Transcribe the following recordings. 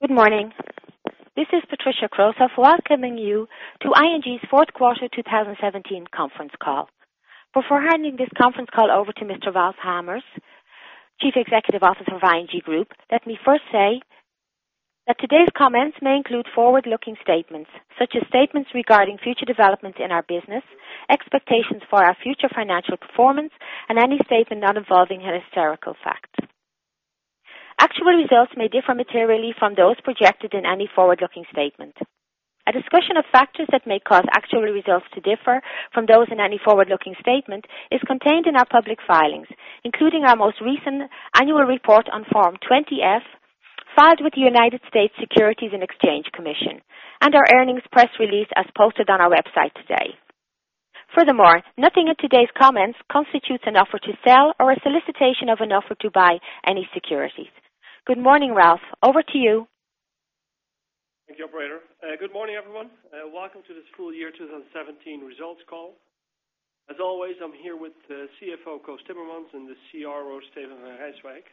Good morning. This is Patricia Klosov Norton welcoming you to ING's fourth quarter 2017 conference call. Before handing this conference call over to Mr. Ralph Hamers, Chief Executive Officer of ING Groep, let me first say that today's comments may include forward-looking statements, such as statements regarding future developments in our business, expectations for our future financial performance, and any statement not involving a historical fact. Actual results may differ materially from those projected in any forward-looking statement. A discussion of factors that may cause actual results to differ from those in any forward-looking statement is contained in our public filings, including our most recent annual report on Form 20-F, filed with the United States Securities and Exchange Commission, and our earnings press release as posted on our website today. Furthermore, nothing in today's comments constitutes an offer to sell or a solicitation of an offer to buy any securities. Good morning, Ralph. Over to you. Thank you, operator. Good morning, everyone. Welcome to this full year 2017 results call. As always, I'm here with the CFO, Koos Timmermans, and the CRO, Steven van Rijswijk.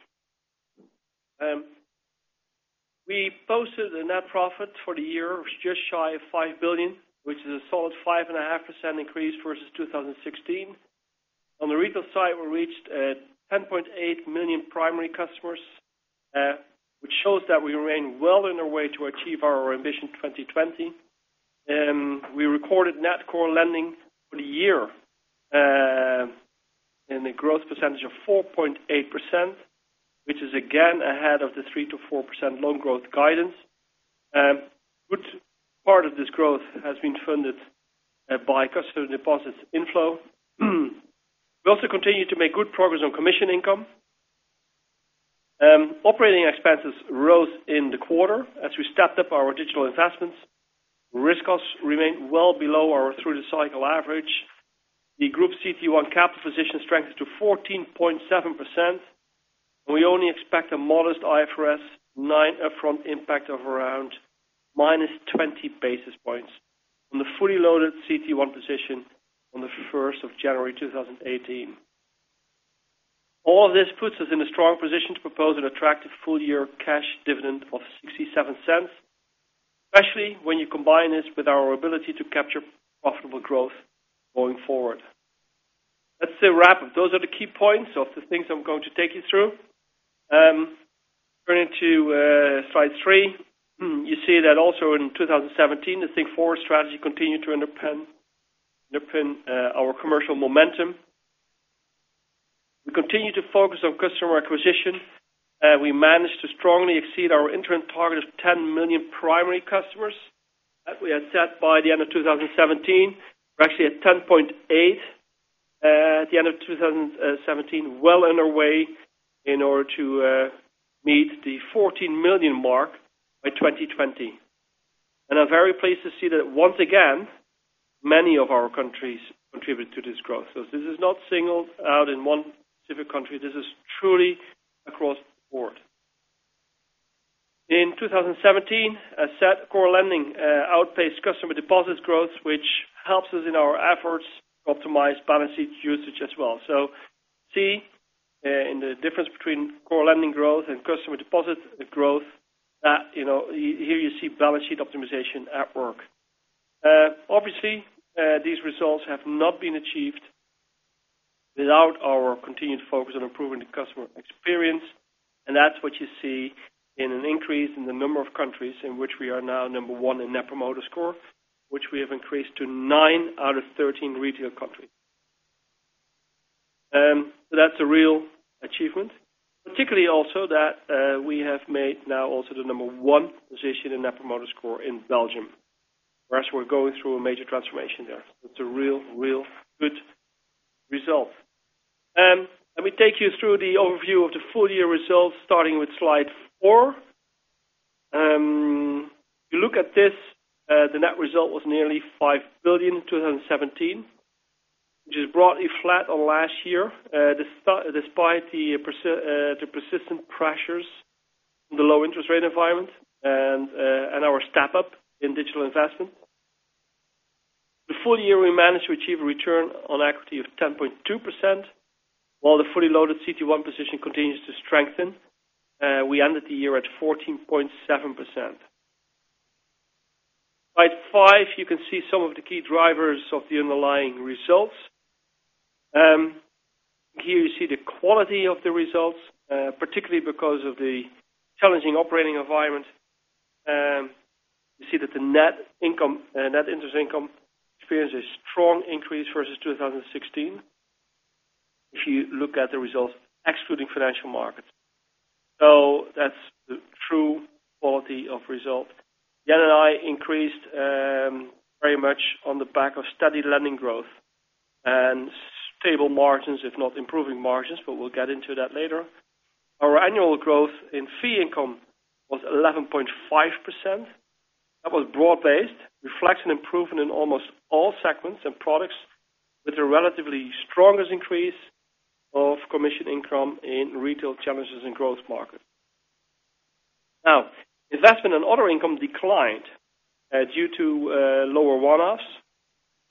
We posted a net profit for the year of just shy of 5 billion, which is a solid 5.5% increase versus 2016. On the retail side, we reached 10.8 million primary customers, which shows that we remain well on our way to achieve our ambition 2020. We recorded Net Core lending for the year in a growth percentage of 4.8%, which is again ahead of the 3%-4% loan growth guidance. Good part of this growth has been funded by customer deposits inflow. We also continue to make good progress on commission income. Operating expenses rose in the quarter as we stepped up our digital investments. Risk costs remained well below our through-the-cycle average. The Group CET1 capital position strengthened to 14.7%, and we only expect a modest IFRS9 upfront impact of around -20 basis points on the fully loaded CET1 position on the 1st of January 2018. All of this puts us in a strong position to propose an attractive full-year cash dividend of 0.67, especially when you combine this with our ability to capture profitable growth going forward. That's a wrap. Those are the key points of the things I'm going to take you through. Turning to slide three. You see that also in 2017, the Think Forward strategy continued to underpin our commercial momentum. We continue to focus on customer acquisition. We managed to strongly exceed our interim target of 10 million primary customers that we had set by the end of 2017. We're actually at 10.8 at the end of 2017, well on our way in order to meet the 14 million mark by 2020. I'm very pleased to see that once again, many of our countries contribute to this growth. This is not singled out in one specific country. This is truly across the board. In 2017, asset core lending outpaced customer deposits growth, which helps us in our efforts to optimize balance sheet usage as well. See, in the difference between core lending growth and customer deposit growth, here you see balance sheet optimization at work. Obviously, these results have not been achieved without our continued focus on improving the customer experience, and that's what you see in an increase in the number of countries in which we are now number one in Net Promoter Score, which we have increased to nine out of 13 retail countries. That's a real achievement, particularly also that we have made now also the number one position in Net Promoter Score in Belgium. Whereas we're going through a major transformation there. That's a real good result. Let me take you through the overview of the full-year results, starting with slide four. If you look at this, the net result was nearly 5 billion in 2017, which is broadly flat on last year, despite the persistent pressures in the low interest rate environment and our step-up in digital investment. The full year, we managed to achieve a return on equity of 10.2%, while the fully loaded CET1 position continues to strengthen. We ended the year at 14.7%. Slide five, you can see some of the key drivers of the underlying results. Here you see the quality of the results, particularly because of the challenging operating environment. You see that the net interest income experienced a strong increase versus 2016. If you look at the results excluding financial markets. That's the true quality of result. The NII increased very much on the back of steady lending growth and stable margins, if not improving margins, but we'll get into that later. Our annual growth in fee income was 11.5%. That was broad-based, reflects an improvement in almost all segments and products with the relatively strongest increase of commission income in retail challenges in growth markets. Investment and other income declined due to lower one-offs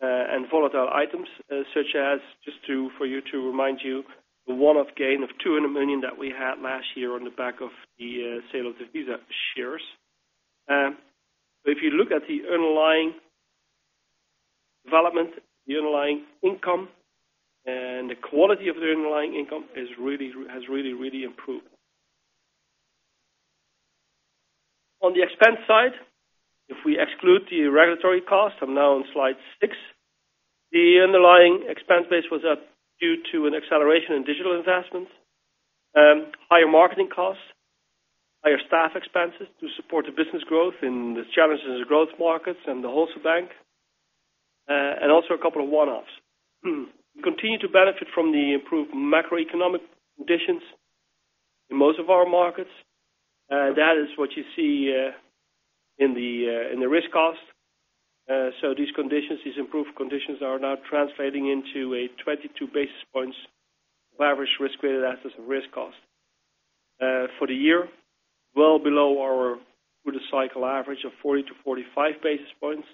and volatile items, such as, just to remind you, the one-off gain of 200 million that we had last year on the back of the sale of the Visa shares. If you look at the underlying development, the underlying income, and the quality of the underlying income has really, really improved. On the expense side, if we exclude the regulatory costs, I'm now on slide six, the underlying expense base was up due to an acceleration in digital investments, higher marketing costs, higher staff expenses to support the business growth and the challenges in the growth markets and the Wholesale Bank, and also a couple of one-offs. We continue to benefit from the improved macroeconomic conditions in most of our markets. That is what you see in the risk cost. These improved conditions are now translating into a 22 basis points of average risk-weighted assets and risk cost. For the year, well below our through-the-cycle average of 40-45 basis points.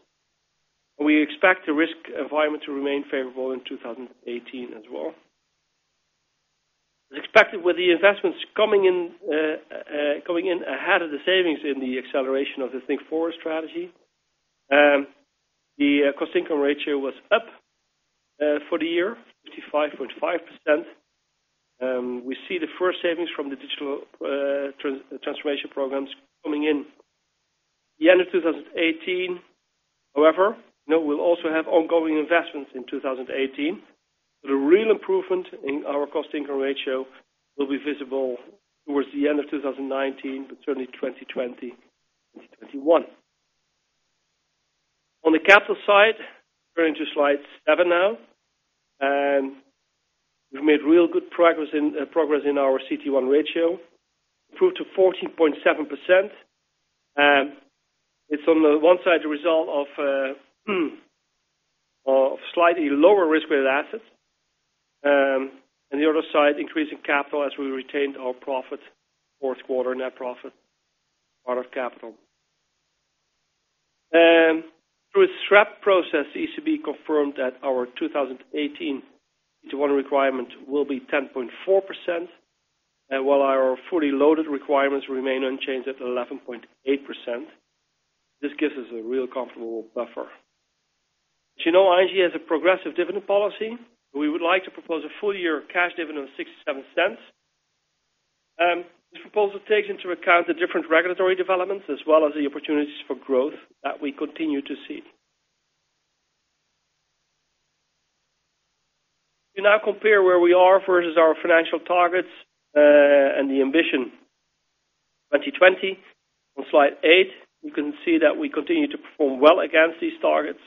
We expect the risk environment to remain favorable in 2018 as well. As expected, with the investments coming in ahead of the savings in the acceleration of the Think Forward strategy, the cost income ratio was up for the year, 55.5%. We see the first savings from the digital transformation programs coming in the end of 2018. However, note we'll also have ongoing investments in 2018. The real improvement in our cost income ratio will be visible towards the end of 2019, but certainly 2020, 2021. On the capital side, turning to slide seven now, we've made real good progress in our CET1 ratio, improved to 14.7%. It's on the one side, a result of slightly lower risk-weighted assets, and the other side, increasing capital as we retained our profit, fourth quarter net profit, out of capital. Through a SREP process, ECB confirmed that our 2018 CET1 requirement will be 10.4%, and while our fully loaded requirements remain unchanged at 11.8%, this gives us a real comfortable buffer. As you know, ING has a progressive dividend policy. We would like to propose a full-year cash dividend of 0.67. This proposal takes into account the different regulatory developments as well as the opportunities for growth that we continue to see. We now compare where we are versus our financial targets, and the ambition 2020. On slide eight, you can see that we continue to perform well against these targets.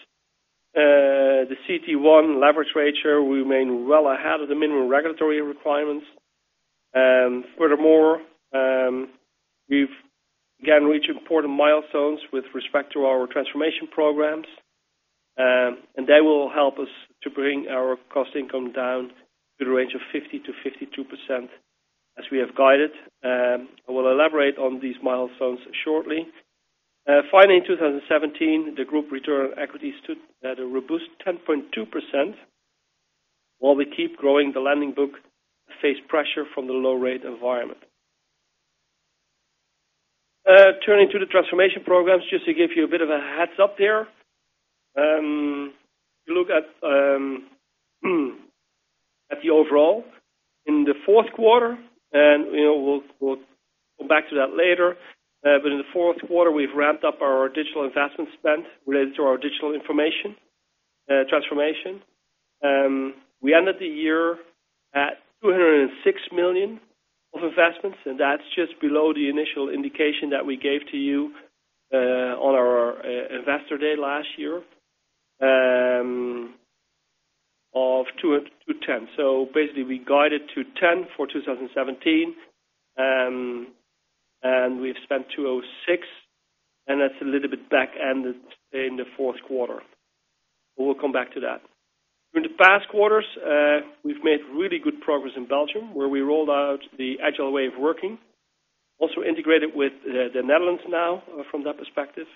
The CET1 leverage ratio, we remain well ahead of the minimum regulatory requirements. Furthermore, we've again reached important milestones with respect to our transformation programs, and they will help us to bring our cost income down to the range of 50%-52%, as we have guided. I will elaborate on these milestones shortly. Finally, in 2017, the group return on equity stood at a robust 10.2%, while we keep growing the lending book to face pressure from the low-rate environment. Turning to the transformation programs, just to give you a bit of a heads-up there. If you look at the overall in the fourth quarter, and we'll go back to that later. In the fourth quarter, we've ramped up our digital investment spend related to our digital transformation. We ended the year at 206 million of investments, and that's just below the initial indication that we gave to you on our investor day last year of 210. Basically, we guided 210 for 2017, and we've spent 206, and that's a little bit back-ended in the fourth quarter. We'll come back to that. During the past quarters, we've made really good progress in Belgium, where we rolled out the agile way of working, also integrated with the Netherlands now from that perspective.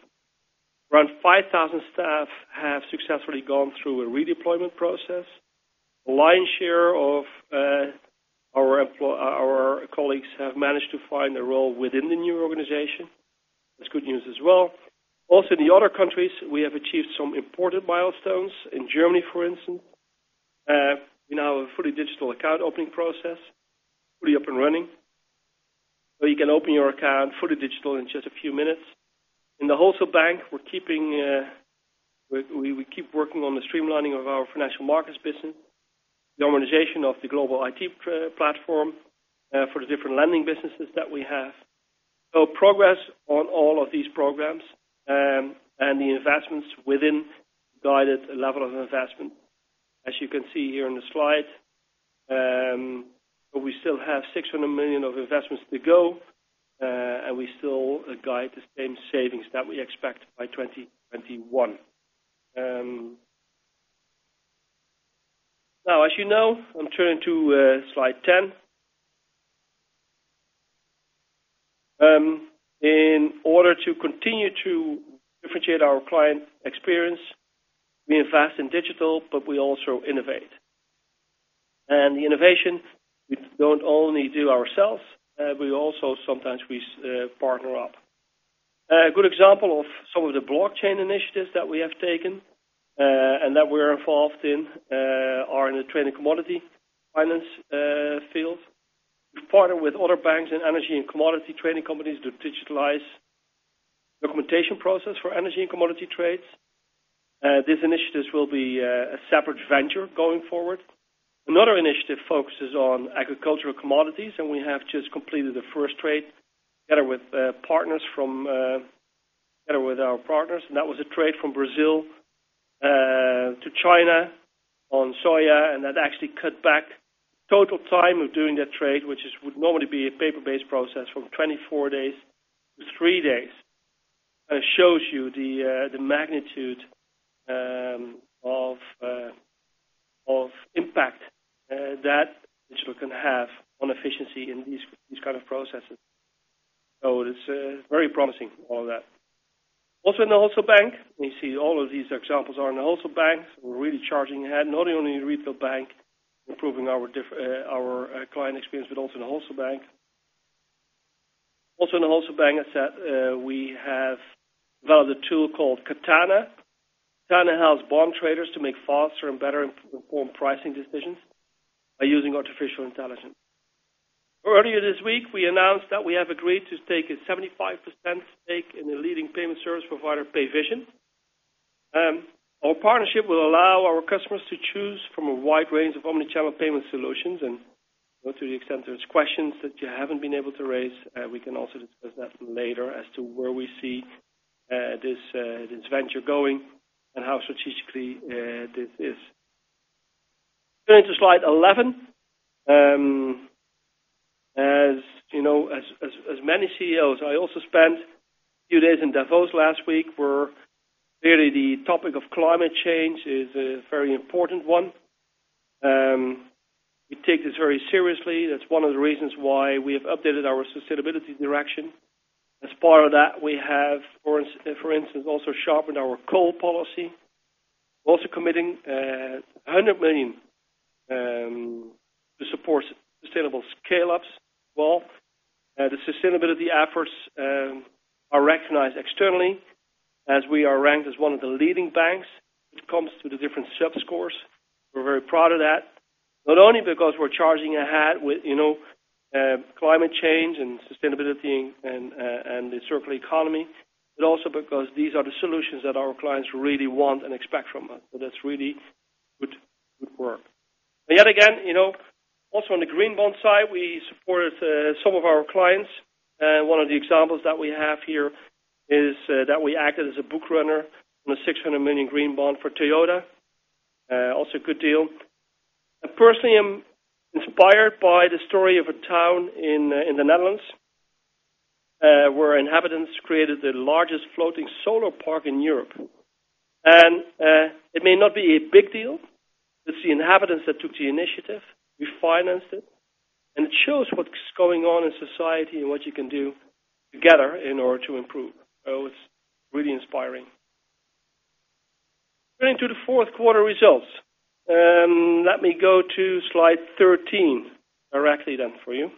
Around 5,000 staff have successfully gone through a redeployment process. The lion's share of our colleagues have managed to find a role within the new organization. That's good news as well. Also, in the other countries, we have achieved some important milestones. In Germany, for instance, we now have a fully digital account opening process, fully up and running, where you can open your account fully digital in just a few minutes. In the Wholesale Bank, we keep working on the streamlining of our financial markets business, the harmonization of the global IT platform for the different lending businesses that we have. Progress on all of these programs, and the investments within guided level of investment, as you can see here on the slide. We still have 600 million of investments to go, and we still guide the same savings that we expect by 2021. As you know, I'm turning to slide 10. In order to continue to differentiate our client experience, we invest in digital, but we also innovate. The innovation, we don't only do ourselves, we also sometimes partner up. A good example of some of the blockchain initiatives that we have taken, and that we're involved in, are in the trade and commodity finance field. We've partnered with other banks in energy and commodity trading companies to digitalize documentation process for energy and commodity trades. These initiatives will be a separate venture going forward. Another initiative focuses on agricultural commodities. We have just completed the first trade together with our partners. That was a trade from Brazil to China on soya, and that actually cut back total time of doing that trade, which would normally be a paper-based process, from 24 days to 3 days. Shows you the magnitude of impact that digital can have on efficiency in these kind of processes. It's very promising, all that. Also in the Wholesale Bank, we see all of these examples are in the Wholesale Bank, so we're really charging ahead, not only in Retail Bank, improving our client experience, but also in the Wholesale Bank. Also in the Wholesale Bank, as said, we have developed a tool called Katana. Katana helps bond traders to make faster and better-informed pricing decisions by using artificial intelligence. Earlier this week, we announced that we have agreed to take a 75% stake in the leading payment service provider, Payvision. Our partnership will allow our customers to choose from a wide range of omni-channel payment solutions. Go to the extent there's questions that you haven't been able to raise, we can also discuss that later as to where we see this venture going and how strategically this is. Going to slide 11. As you know, as many CEOs, I also spent a few days in Davos last week, where clearly the topic of climate change is a very important one. We take this very seriously. That's one of the reasons why we have updated our sustainability direction. As part of that, we have, for instance, also sharpened our coal policy. Also committing 100 million to support sustainable scale-ups well. The sustainability efforts are recognized externally as we are ranked as one of the leading banks when it comes to the different sub-scores. We're very proud of that. Not only because we're charging ahead with climate change and sustainability and the circular economy, but also because these are the solutions that our clients really want and expect from us. That's really good work. Yet again, also on the green bond side, we supported some of our clients. One of the examples that we have here is that we acted as a book runner on a 600 million green bond for Toyota. Also a good deal. I personally am inspired by the story of a town in the Netherlands, where inhabitants created the largest floating solar park in Europe. It may not be a big deal. It's the inhabitants that took the initiative. We financed it. It shows what's going on in society and what you can do together in order to improve. It's really inspiring. Going to the fourth quarter results. Let me go to slide 13 directly then for you.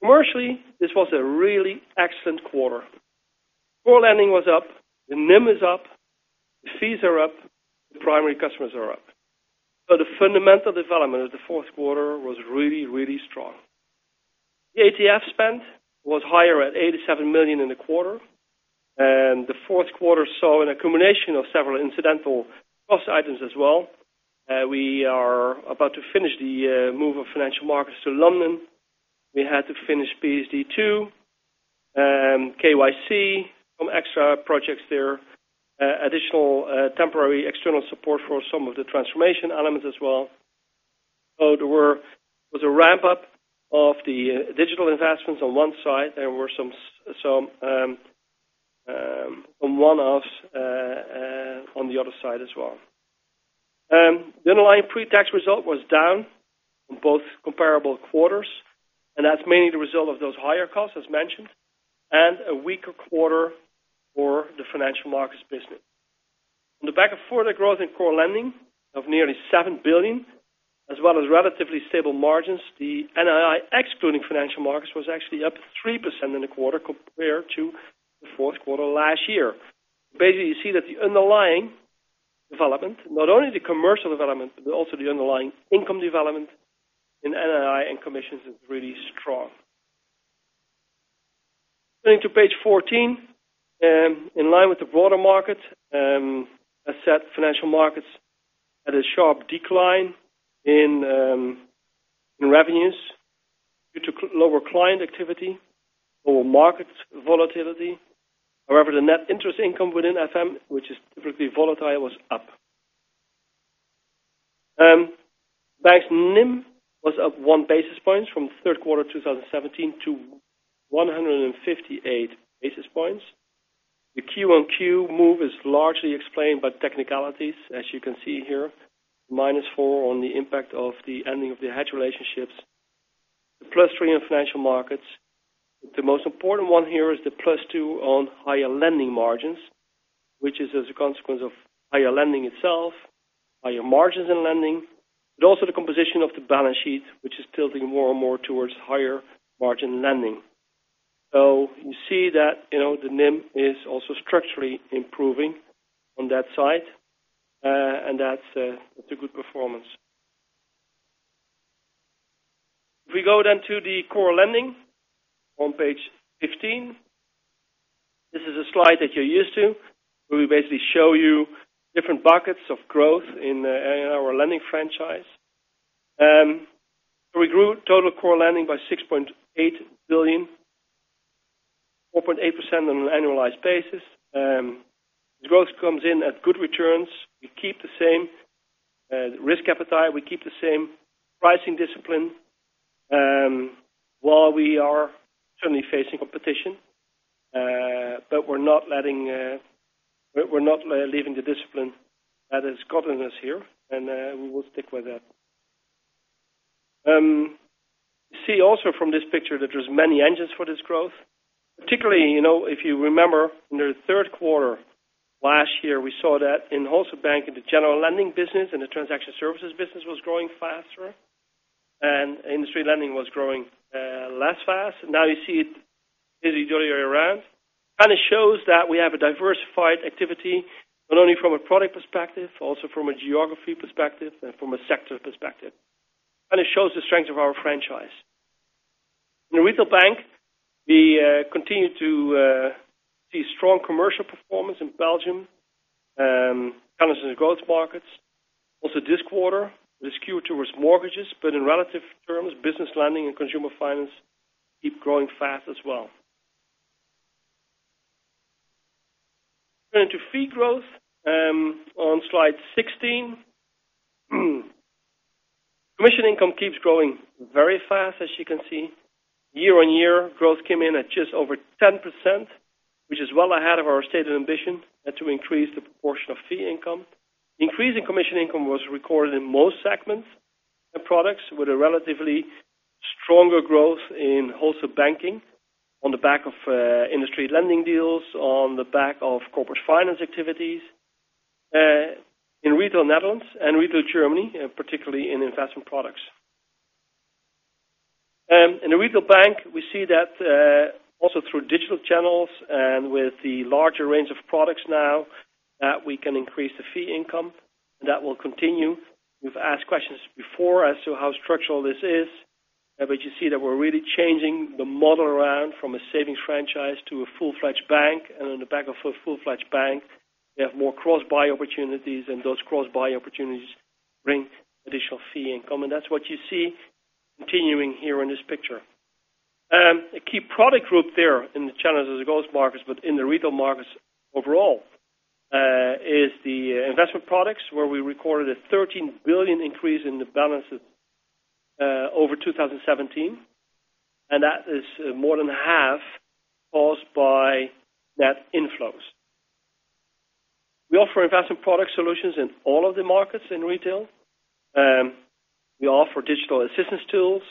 Commercially, this was a really excellent quarter. Core lending was up, the NIM is up, the fees are up, the primary customers are up. The fundamental development of the fourth quarter was really, really strong. The ATF spend was higher at 87 million in the quarter. The fourth quarter saw an accumulation of several incidental cost items as well. We are about to finish the move of financial markets to London. We had to finish PSD2, KYC, some extra projects there, additional temporary external support for some of the transformation elements as well. There was a ramp-up of the digital investments on one side. There were some one-offs on the other side as well. The underlying pre-tax result was down on both comparable quarters. That's mainly the result of those higher costs, as mentioned, and a weaker quarter for the financial markets business. On the back of further growth in core lending of nearly 7 billion, as well as relatively stable margins, the NII excluding financial markets, was actually up 3% in the quarter compared to the fourth quarter last year. You see that the underlying development, not only the commercial development, but also the underlying income development in NII and commissions is really strong. Going to page 14. In line with the broader market, as said, financial markets at a sharp decline in revenues due to lower client activity, lower market volatility. However, the net interest income within FM, which is typically volatile, was up. Was up one basis point from third quarter 2017 to 158 basis points. The Q on Q move is largely explained by technicalities, as you can see here, -4 on the impact of the ending of the hedge relationships. The +3 in financial markets. The most important one here is the +2 on higher lending margins, which is as a consequence of higher lending itself, higher margins in lending, but also the composition of the balance sheet, which is tilting more and more towards higher margin lending. You see that the NIM is also structurally improving on that side. That's a good performance. If we go then to the core lending on page 15. This is a slide that you're used to, where we basically show you different buckets of growth in our lending franchise. We grew total core lending by 6.8 billion, 4.8% on an annualized basis. Growth comes in at good returns. We keep the same risk appetite. We keep the same pricing discipline, while we are certainly facing competition. We're not leaving the discipline that has gotten us here. We will stick with that. See also from this picture that there's many engines for this growth, particularly, if you remember in the third quarter last year, we saw that in Wholesale Bank, in the general lending business and the transaction services business was growing faster. Industry lending was growing less fast. Now you see it the other way around. It shows that we have a diversified activity, not only from a product perspective, also from a geography perspective and from a sector perspective. It shows the strength of our franchise. In Retail Bank, we continue to see strong commercial performance in Belgium, Netherlands, and the growth markets. Also this quarter, the skew towards mortgages, but in relative terms, business lending and consumer finance keep growing fast as well. Going to fee growth, on slide 16. Commission income keeps growing very fast, as you can see. Year-on-year, growth came in at just over 10%, which is well ahead of our stated ambition to increase the proportion of fee income. Increase in commission income was recorded in most segments and products, with a relatively stronger growth in Wholesale Banking on the back of industry lending deals, on the back of corporate finance activities. In Retail Netherlands and Retail Germany, particularly in investment products. In the Retail Bank, we see that also through digital channels and with the larger range of products now, that we can increase the fee income, and that will continue. We've asked questions before as to how structural this is, but you see that we're really changing the model around from a savings franchise to a full-fledged bank. On the back of a full-fledged bank, we have more cross-buy opportunities, and those cross-buy opportunities bring additional fee income. That's what you see continuing here in this picture. A key product group there in the Netherlands and the growth markets, but in the retail markets overall, is the investment products, where we recorded a 13 billion increase in the balances over 2017, and that is more than half caused by net inflows. We offer investment product solutions in all of the markets in retail. We offer digital assistance tools.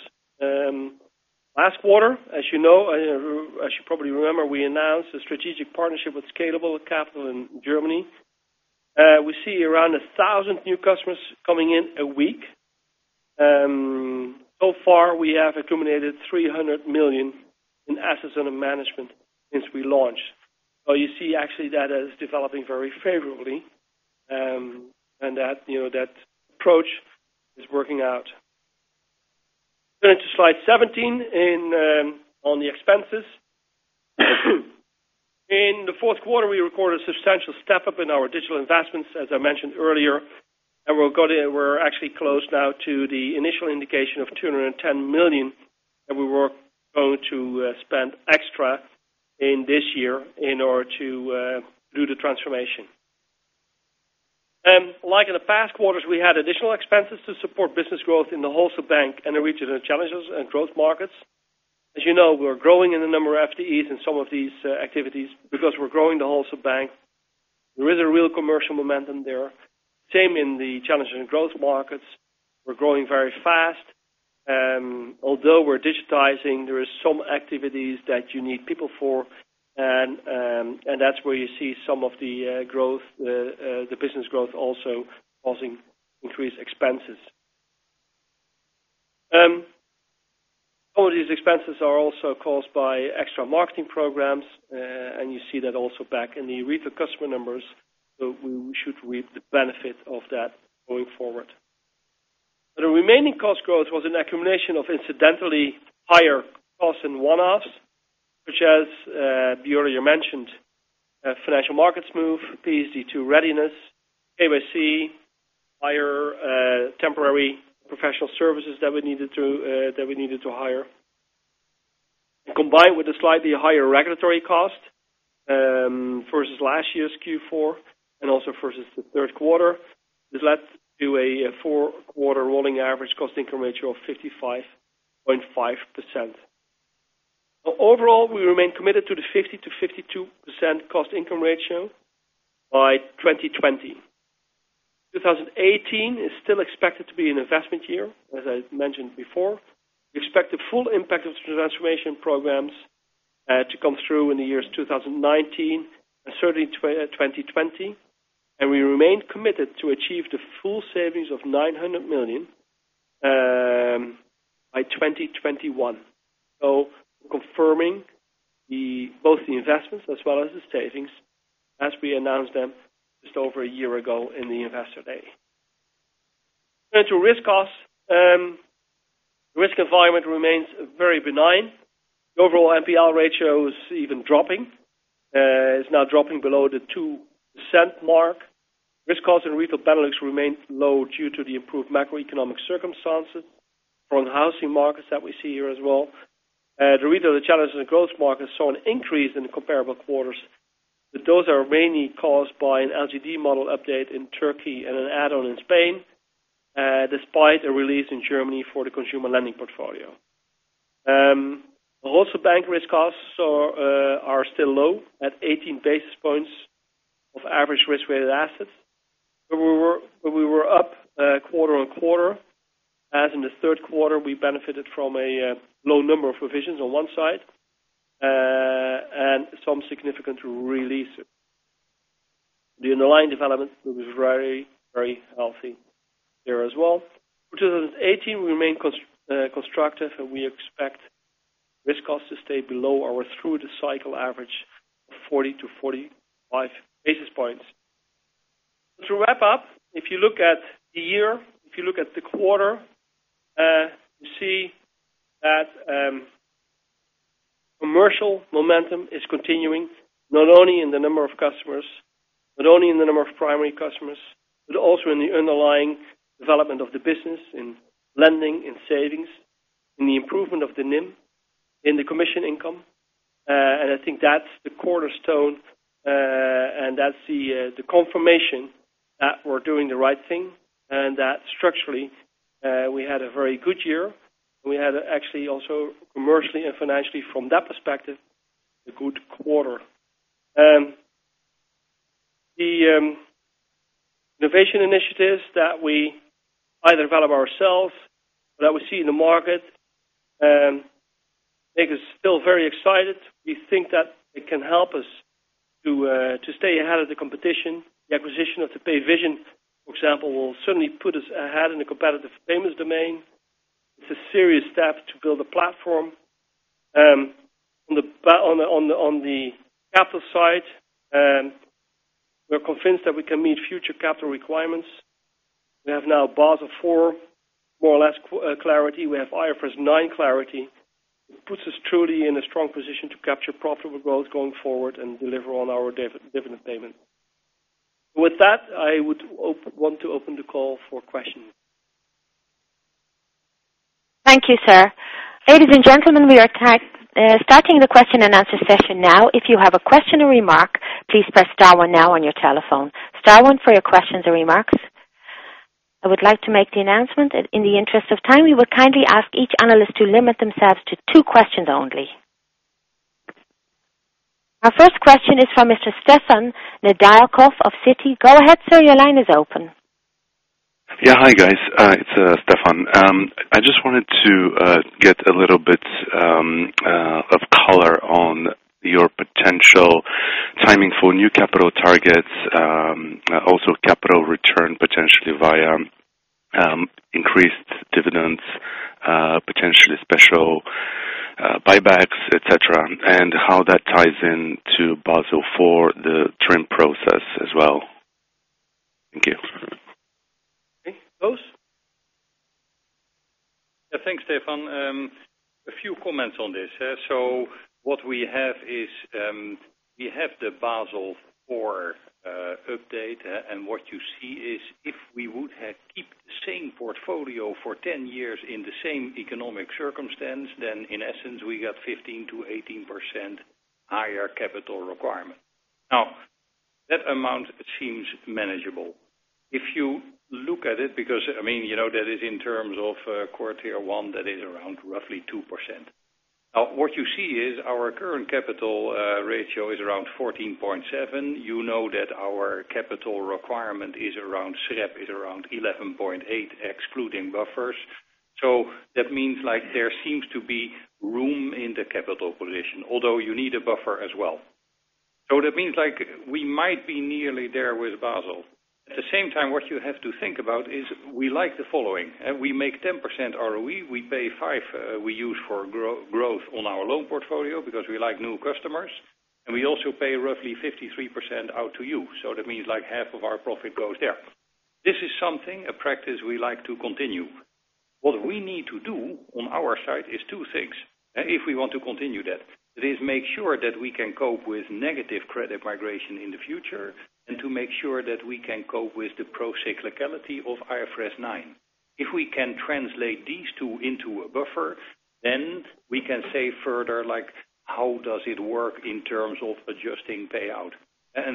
Last quarter, as you probably remember, we announced a strategic partnership with Scalable Capital in Germany. We see around 1,000 new customers coming in a week. So far, we have accumulated 300 million in assets under management since we launched. You see actually that is developing very favorably, and that approach is working out. Going to slide 17 on the expenses. In the fourth quarter, we recorded a substantial step-up in our digital investments, as I mentioned earlier, and we're actually close now to the initial indication of 210 million, and we were going to spend extra in this year in order to do the transformation. Like in the past quarters, we had additional expenses to support business growth in the Wholesale Bank and in Retail Netherlands and growth markets. As you know, we're growing in the number of FTEs in some of these activities because we're growing the Wholesale Bank. There is a real commercial momentum there. Same in the Netherlands and growth markets. We're growing very fast. Although we're digitizing, there is some activities that you need people for, and that's where you see some of the business growth also causing increased expenses. Some of these expenses are also caused by extra marketing programs, and you see that also back in the retail customer numbers. We should reap the benefit of that going forward. The remaining cost growth was an accumulation of incidentally higher costs and one-offs, which as both we mentioned, financial markets move, PSD2 readiness, ABC, higher temporary professional services that we needed to hire. Combined with the slightly higher regulatory cost versus last year's Q4, also versus the third quarter, this led to a four-quarter rolling average cost-income ratio of 55.5%. Overall, we remain committed to the 50%-52% cost-income ratio by 2020. 2018 is still expected to be an investment year, as I mentioned before. We expect the full impact of transformation programs to come through in the years 2019 and certainly 2020. We remain committed to achieve the full savings of 900 million by 2021. Confirming both the investments as well as the savings as we announced them just over a year ago in the investor day. Going to risk costs. Risk environment remains very benign. The overall NPL ratio is even dropping. It is now dropping below the 2% mark. Risk costs and retail delinquencies remained low due to the improved macroeconomic circumstances from the housing markets that we see here as well. The retail challenges in the growth markets saw an increase in comparable quarters, those are mainly caused by an LGD model update in Turkey and an add-on in Spain, despite a release in Germany for the consumer lending portfolio. Bank risk costs are still low at 18 basis points of average risk-weighted assets, but we were up quarter-on-quarter. As in the third quarter, we benefited from a low number of provisions on one side and some significant releases. The underlying development was very healthy there as well. For 2018, we remain constructive, we expect risk costs to stay below or through the cycle average of 40-45 basis points. To wrap up, if you look at the year, if you look at the quarter, you see that commercial momentum is continuing, not only in the number of customers, not only in the number of primary customers, but also in the underlying development of the business, in lending and savings, in the improvement of the NIM, in the commission income. I think that is the cornerstone, that is the confirmation that we are doing the right thing and that structurally, we had a very good year. We had actually also commercially and financially from that perspective, a good quarter. The innovation initiatives that we either develop ourselves or that we see in the market, make us still very excited. We think that it can help us to stay ahead of the competition. The acquisition of the Payvision, for example, will certainly put us ahead in the competitive payments domain. It is a serious step to build a platform. On the capital side, we are convinced that we can meet future capital requirements. We have now Basel IV, more or less clarity. We have IFRS 9 clarity. It puts us truly in a strong position to capture profitable growth going forward and deliver on our dividend payment. With that, I would want to open the call for questions. Thank you, sir. Ladies and gentlemen, we are starting the question and answer session now. If you have a question or remark, please press star one now on your telephone. Star one for your questions or remarks. I would like to make the announcement in the interest of time, we would kindly ask each analyst to limit themselves to two questions only. Our first question is from Mr. Stefan Nedialkov of Citi. Go ahead, sir, your line is open. Yeah. Hi, guys. It's Stefan. I just wanted to get a little bit of color on your potential timing for new capital targets, also capital return potentially via increased dividends, potentially special buybacks, et cetera, and how that ties into Basel IV, the TRIM process as well. Thank you. Okay. Koos? Yeah, thanks, Stefan. A few comments on this. What we have is, we have the Basel IV update, and what you see is if we would keep the same portfolio for 10 years in the same economic circumstance, then in essence, we got 15%-18% higher capital requirement. That amount seems manageable. If you look at it because, that is in terms of core Tier 1, that is around roughly 2%. What you see is our current capital ratio is around 14.7%. You know that our capital requirement is around, SREP is around 11.8%, excluding buffers. That means there seems to be room in the capital position, although you need a buffer as well. That means we might be nearly there with Basel. At the same time, what you have to think about is we like the following. We make 10% ROE, we pay 5%, we use for growth on our loan portfolio because we like new customers, and we also pay roughly 53% out to you. That means half of our profit goes there. This is something, a practice we like to continue. What we need to do on our side is two things, if we want to continue that. It is make sure that we can cope with negative credit migration in the future and to make sure that we can cope with the procyclicality of IFRS 9. If we can translate these two into a buffer, then we can say further, how does it work in terms of adjusting payout?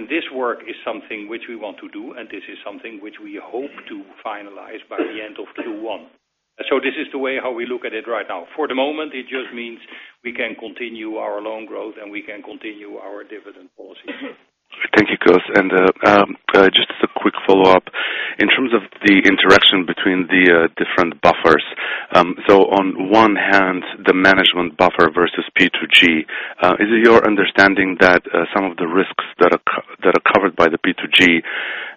This work is something which we want to do, and this is something which we hope to finalize by the end of Q1. This is the way how we look at it right now. For the moment, it just means we can continue our loan growth, and we can continue our dividend policy. Thank you, Koos. Just as a quick follow-up, in terms of the interaction between the different buffers, on one hand, the management buffer versus P2G. Is it your understanding that some of the risks that are covered by the P2G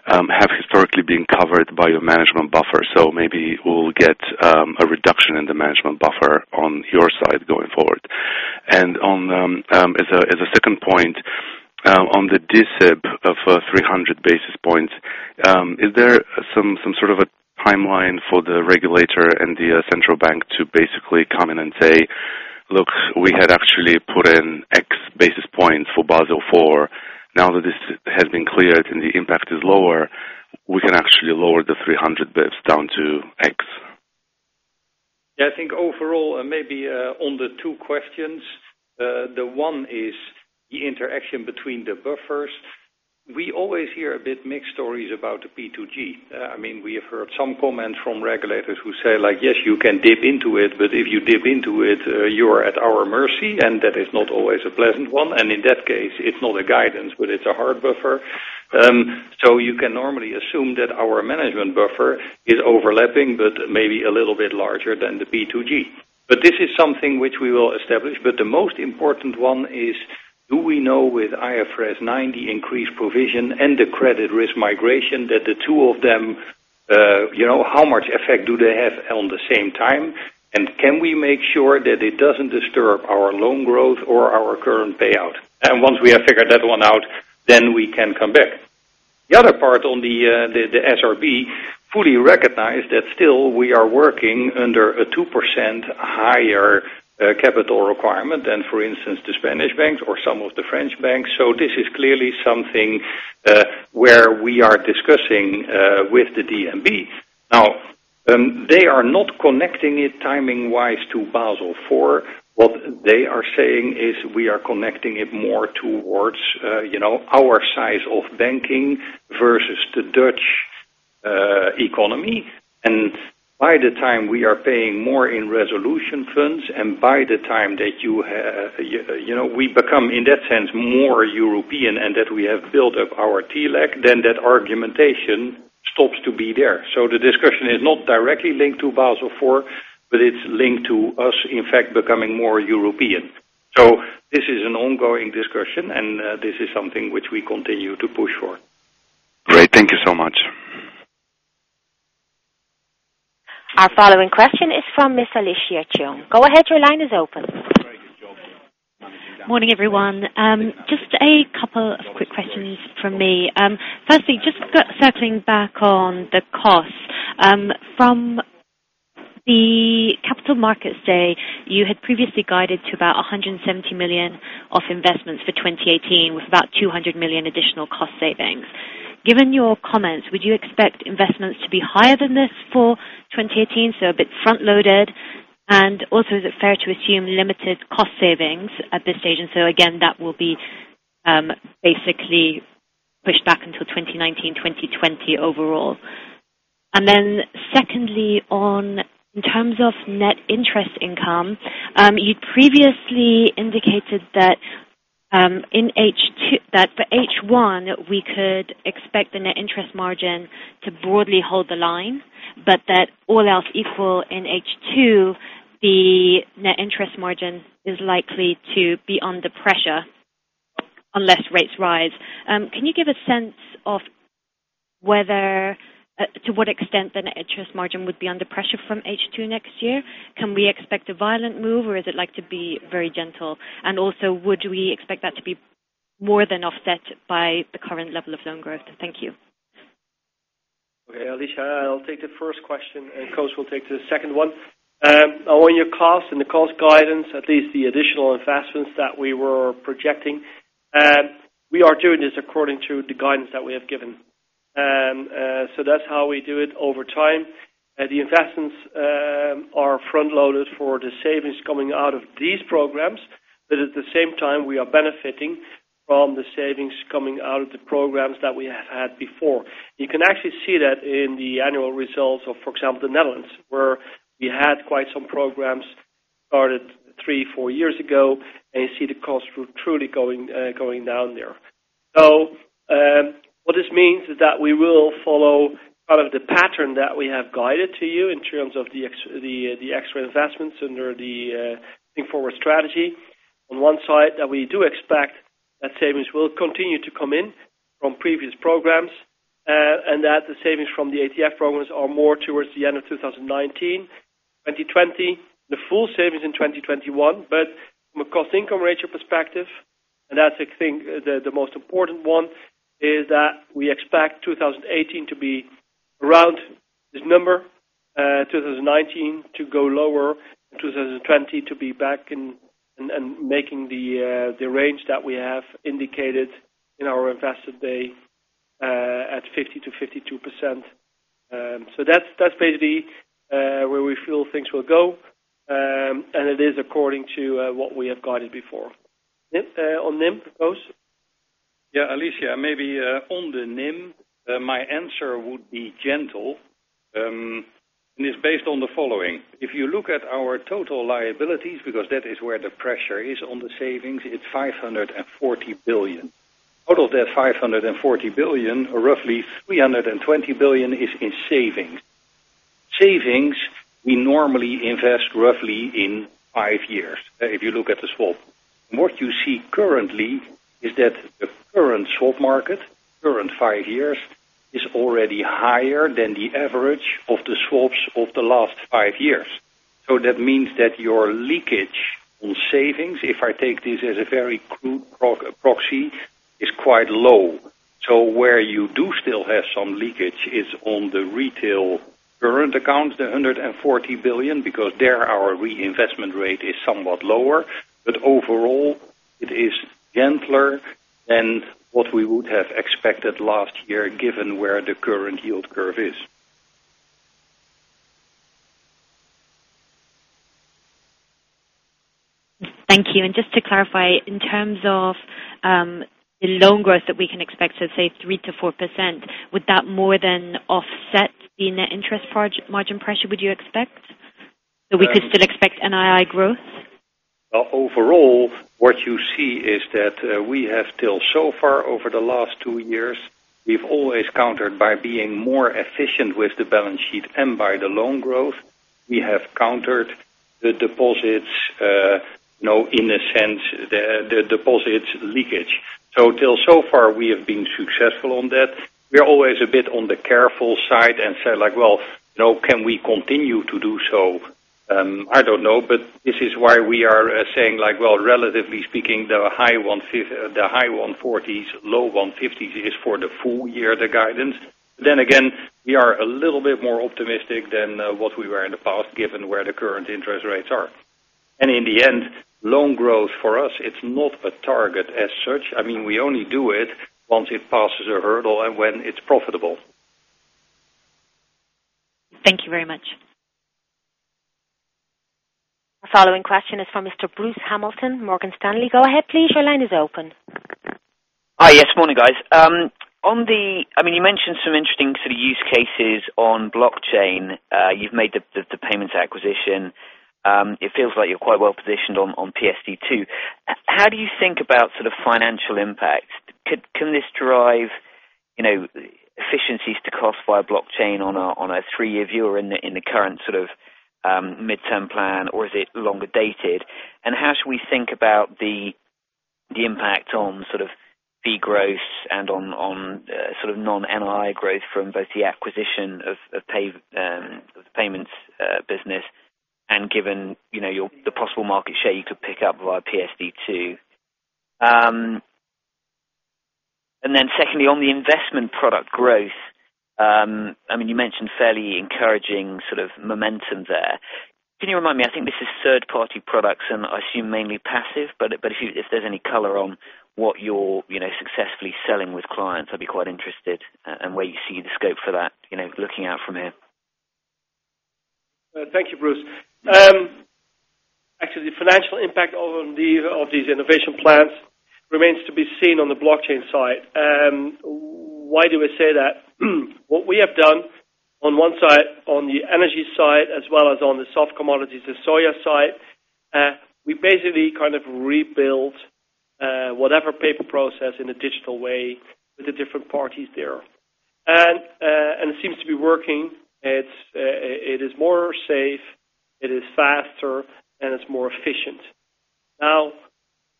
have historically been covered by your management buffer, maybe we'll get a reduction in the management buffer on your side going forward. As a second point, on the D-SIB of 300 basis points, is there some sort of a timeline for the regulator and the central bank to basically come in and say, "Look, we had actually put in X basis points for Basel IV. Now that this has been cleared and the impact is lower, we can actually lower the 300 basis points down to X"? I think overall, maybe on the two questions, the one is the interaction between the buffers. We always hear a bit mixed stories about the P2G. We have heard some comments from regulators who say, "Yes, you can dip into it, but if you dip into it, you are at our mercy," and that is not always a pleasant one. In that case, it's not a guidance, but it's a hard buffer. You can normally assume that our management buffer is overlapping, but maybe a little bit larger than the P2G. This is something which we will establish, but the most important one is, do we know with IFRS 9, the increased provision and the credit risk migration, that the two of them, how much effect do they have on the same time? Can we make sure that it doesn't disturb our loan growth or our current payout? Once we have figured that one out, then we can come back. The other part on the SRB, fully recognize that still we are working under a 2% higher capital requirement than, for instance, the Spanish banks or some of the French banks. This is clearly something where we are discussing with the DNB. They are not connecting it timing-wise to Basel IV. What they are saying is we are connecting it more towards our size of banking versus the Dutch economy. By the time we are paying more in resolution funds, by the time that we become, in that sense, more European and that we have built up our TLAC, that argumentation stops to be there. The discussion is not directly linked to Basel IV, but it's linked to us, in fact, becoming more European. This is an ongoing discussion, and this is something which we continue to push for. Great. Thank you so much. Our following question is from Miss Alicia Cheung. Go ahead, your line is open. Morning, everyone. Just a couple of quick questions from me. Firstly, just circling back on the costs. From the Capital Markets Day, you had previously guided to about 170 million of investments for 2018 with about 200 million additional cost savings. Given your comments, would you expect investments to be higher than this for 2018, a bit front-loaded? Also, is it fair to assume limited cost savings at this stage, and again, that will be basically pushed back until 2019, 2020 overall. Then secondly, in terms of net interest income, you previously indicated that for H1, we could expect the net interest margin to broadly hold the line, but that all else equal in H2, the net interest margin is likely to be under pressure unless rates rise. Can you give a sense of to what extent the Net Interest Margin would be under pressure from H2 next year? Can we expect a violent move, or is it like to be very gentle? Also, would we expect that to be more than offset by the current level of loan growth? Thank you. Okay, Alicia, I'll take the first question, and Koos will take the second one. On your cost and the cost guidance, at least the additional investments that we were projecting, we are doing this according to the guidance that we have given. That's how we do it over time. The investments are front-loaded for the savings coming out of these programs. At the same time, we are benefiting from the savings coming out of the programs that we had before. You can actually see that in the annual results of, for example, the Netherlands, where we had quite some programs started three, four years ago, and you see the costs were truly going down there. What this means is that we will follow out of the pattern that we have guided to you in terms of the extra investments under the Think Forward strategy. On one side, that we do expect that savings will continue to come in from previous programs, and that the savings from the ATF programs are more towards the end of 2019, 2020. The full savings in 2021. From a cost-income ratio perspective, and that's the thing, the most important one, is that we expect 2018 to be around this number, 2019 to go lower, 2020 to be back and making the range that we have indicated In our Investor Day at 50%-52%. That's basically where we feel things will go, and it is according to what we have guided before. On NIM, Koos? Alicia, maybe on the NIM, my answer would be gentle. It's based on the following. If you look at our total liabilities, because that is where the pressure is on the savings, it's 540 billion. Out of that 540 billion, roughly 320 billion is in savings. Savings, we normally invest roughly in five years, if you look at the swap. What you see currently is that the current swap market, current five years, is already higher than the average of the swaps of the last five years. That means that your leakage on savings, if I take this as a very crude proxy, is quite low. Where you do still have some leakage is on the retail current accounts, the 140 billion, because there our reinvestment rate is somewhat lower. Overall, it is gentler than what we would have expected last year, given where the current yield curve is. Thank you. Just to clarify, in terms of the loan growth that we can expect of, say, 3% to 4%, would that more than offset the net interest margin pressure, would you expect? We could still expect NII growth? Well, overall, what you see is that we have still, so far over the last two years, we've always countered by being more efficient with the balance sheet and by the loan growth. We have countered the deposits, in a sense, the deposits leakage. Till so far, we have been successful on that. We're always a bit on the careful side and say: "Well, can we continue to do so?" I don't know, this is why we are saying, well, relatively speaking, the high EUR 140s, low EUR 150s is for the full year, the guidance. Again, we are a little bit more optimistic than what we were in the past, given where the current interest rates are. In the end, loan growth for us, it's not a target as such. We only do it once it passes a hurdle and when it's profitable. Thank you very much. Our following question is from Mr. Bruce Hamilton, Morgan Stanley. Go ahead, please. Your line is open. Hi. Yes, morning, guys. You mentioned some interesting use cases on blockchain. You've made the payments acquisition. It feels like you're quite well-positioned on PSD2. How do you think about financial impact? Can this drive efficiencies to cost via blockchain on a three-year view or in the current midterm plan, or is it longer dated? Secondly, on the investment product growth, you mentioned fairly encouraging momentum there. Can you remind me, I think this is third-party products and I assume mainly passive, but if there's any color on what you're successfully selling with clients, I'd be quite interested and where you see the scope for that, looking out from here. Thank you, Bruce. The financial impact of these innovation plans remains to be seen on the blockchain side. Why do I say that? What we have done on one side, on the energy side, as well as on the soft commodities, the soy side, we basically kind of rebuild whatever paper process in a digital way with the different parties there. It seems to be working. It is more safe, it is faster, and it's more efficient. Now,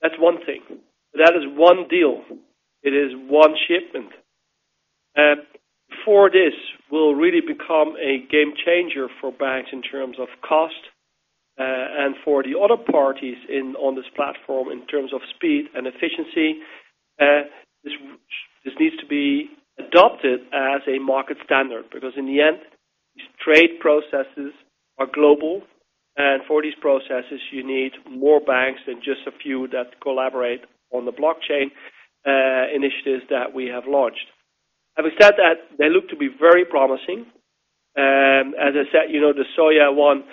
that's one thing. That is one deal. It is one shipment. Before this will really become a game changer for banks in terms of cost and for the other parties on this platform in terms of speed and efficiency, this needs to be adopted as a market standard, because in the end, these trade processes are global, and for these processes, you need more banks than just a few that collaborate on the blockchain initiatives that we have launched. Having said that, they look to be very promising. As I said, the soya one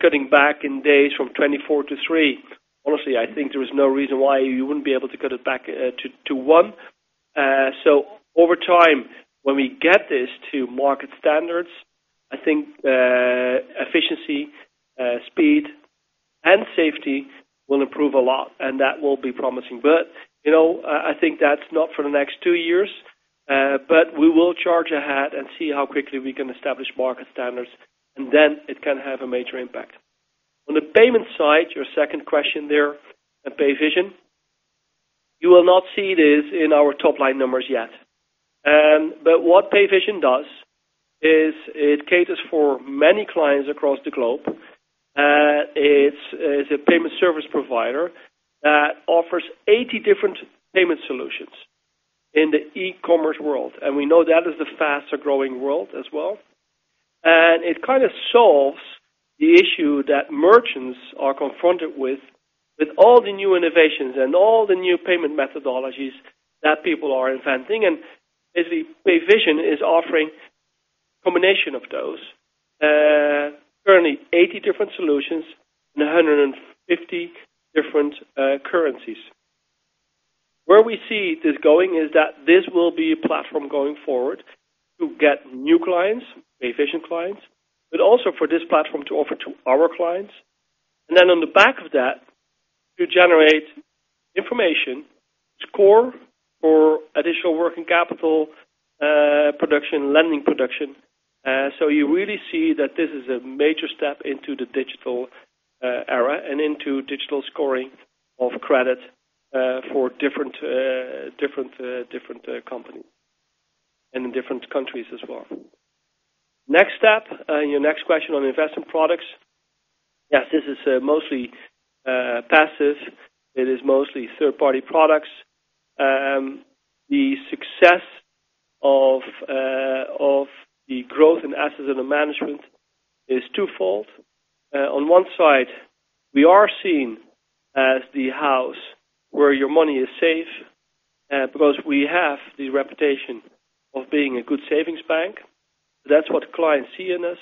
cutting back in days from 24 to three. Honestly, I think there is no reason why you wouldn't be able to cut it back to one. Over time, when we get this to market standards, I think efficiency, speed, and safety will improve a lot, and that will be promising. I think that's not for the next two years, we will charge ahead and see how quickly we can establish market standards, and then it can have a major impact. On the payment side, your second question there, Payvision. You will not see this in our top-line numbers yet. What Payvision does is it caters for many clients across the globe. It's a payment service provider that offers 80 different payment solutions in the e-commerce world, and we know that is the faster-growing world as well. It kind of solves the issue that merchants are confronted with all the new innovations and all the new payment methodologies that people are inventing. Payvision is offering a combination of those. Currently, 80 different solutions and 150 different currencies. Where we see this going is that this will be a platform going forward to get new clients, Payvision clients, but also for this platform to offer to our clients. Then on the back of that, to generate information, score for additional working capital production, lending production. You really see that this is a major step into the digital era and into digital scoring of credit for different companies and in different countries as well. Next step, your next question on investment products. Yes, this is mostly passive. It is mostly third-party products. The success of the growth in assets under management is twofold. On one side, we are seen as the house where your money is safe because we have the reputation of being a good savings bank. That's what clients see in us.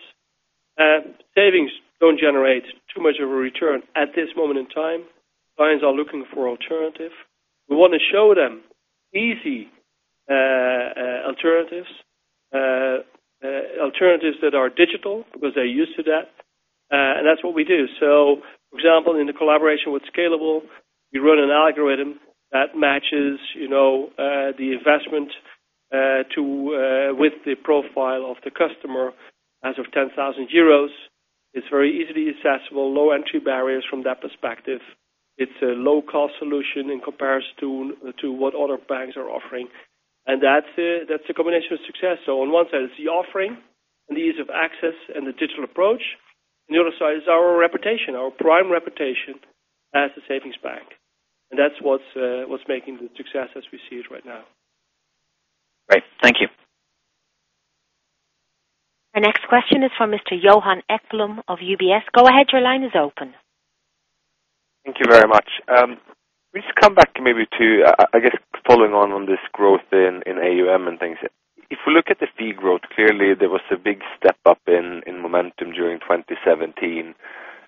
Savings don't generate too much of a return at this moment in time. Clients are looking for alternatives. We want to show them easy alternatives that are digital because they're used to that. That's what we do. For example, in the collaboration with Scalable, we run an algorithm that matches the investment with the profile of the customer as of 10,000 euros. It's very easily accessible, low entry barriers from that perspective. It's a low-cost solution in comparison to what other banks are offering. That's a combination of success. On one side, it's the offering and the ease of access and the digital approach. On the other side is our reputation, our prime reputation as a savings bank. That's what's making the success as we see it right now. Great. Thank you. Our next question is from Mr. Johan Ekblom of UBS. Go ahead, your line is open. Thank you very much. Just come back maybe to, I guess, following on this growth in AUM and things. If we look at the fee growth, clearly there was a big step-up in momentum during 2017.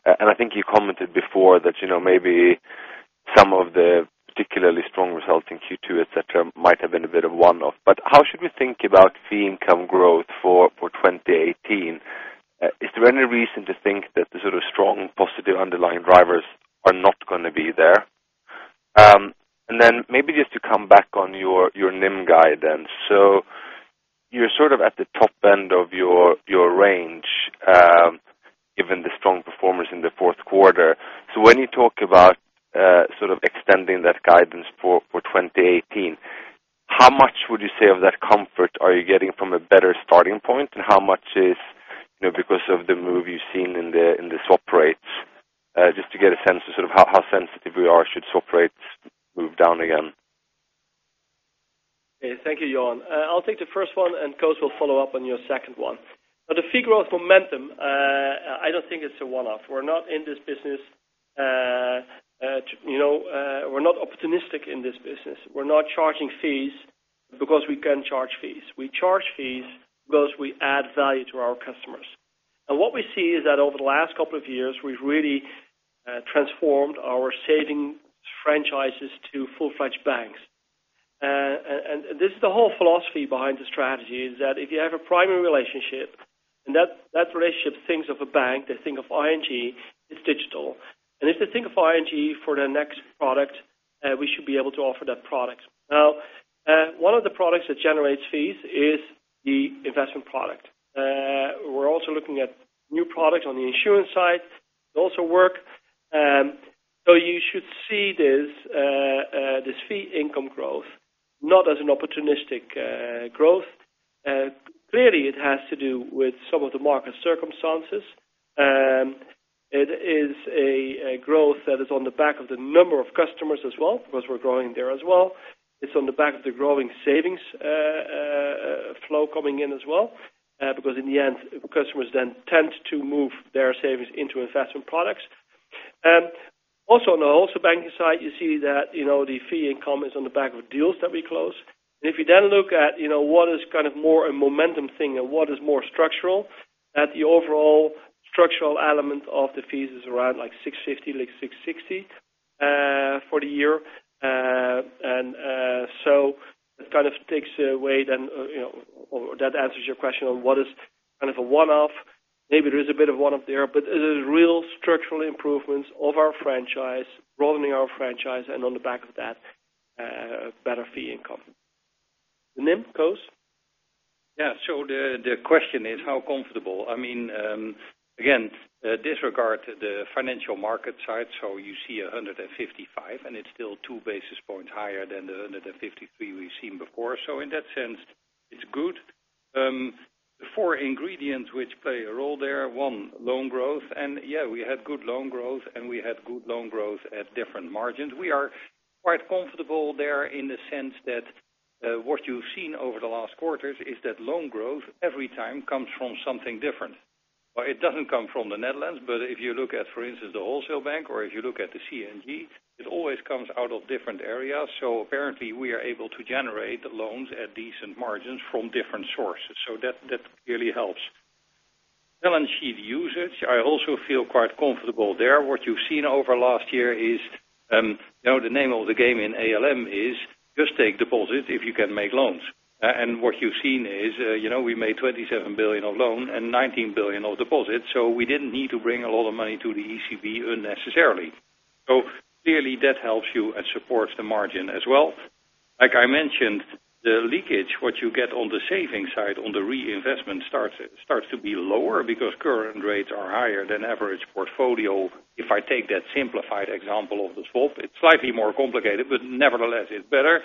I think you commented before that maybe some of the particularly strong results in Q2, et cetera, might have been a bit of one-off. How should we think about fee income growth for 2018? Is there any reason to think that the sort of strong positive underlying drivers are not going to be there? Maybe just to come back on your NIM guidance. You're sort of at the top end of your range, given the strong performance in the fourth quarter. When you talk about extending that guidance for 2018, how much would you say of that comfort are you getting from a better starting point? How much is because of the move you've seen in the swap rates, just to get a sense of how sensitive you are should swap rates move down again? Thank you, Johan. I'll take the first one, and Koos will follow up on your second one. The fee growth momentum, I don't think it's a one-off. We're not opportunistic in this business. We're not charging fees because we can charge fees. We charge fees because we add value to our customers. What we see is that over the last couple of years, we've really transformed our savings franchises to full-fledged banks. This is the whole philosophy behind the strategy, is that if you have a primary relationship, and that relationship thinks of a bank, they think of ING, it's digital. If they think of ING for their next product, we should be able to offer that product. One of the products that generates fees is the investment product. We're also looking at new products on the insurance side. They also work. You should see this fee income growth, not as an opportunistic growth. Clearly, it has to do with some of the market circumstances. It is a growth that is on the back of the number of customers as well, because we're growing there as well. It's on the back of the growing savings flow coming in as well, because in the end, customers then tend to move their savings into investment products. On the wholesale banking side, you see that the fee income is on the back of deals that we close. If you then look at what is more a momentum thing and what is more structural, at the overall structural element of the fees is around like 650, like 660 for the year. It kind of takes away then, or that answers your question on what is a one-off. Maybe there is a bit of one-off there, it is real structural improvements of our franchise, growing our franchise, and on the back of that, better fee income. The NIM, Koos? The question is how comfortable. Again, disregard the financial market side. You see 155, and it's still two basis points higher than the 153 we've seen before. In that sense, it's good. The four ingredients which play a role there, one, loan growth. Yeah, we had good loan growth, and we had good loan growth at different margins. We are quite comfortable there in the sense that what you've seen over the last quarters is that loan growth every time comes from something different. It doesn't come from the Netherlands, but if you look at, for instance, the wholesale bank or if you look at the NCG, it always comes out of different areas. Apparently, we are able to generate loans at decent margins from different sources. That clearly helps. Balance sheet usage, I also feel quite comfortable there. What you've seen over last year is, the name of the game in ALM is just take deposits if you can make loans. What you've seen is, we made 27 billion of loan and 19 billion of deposits, so we didn't need to bring a lot of money to the ECB unnecessarily. Clearly that helps you and supports the margin as well. Like I mentioned, the leakage, what you get on the saving side, on the reinvestment starts to be lower because current rates are higher than average portfolio. If I take that simplified example of the swap, it's slightly more complicated, but nevertheless, it's better.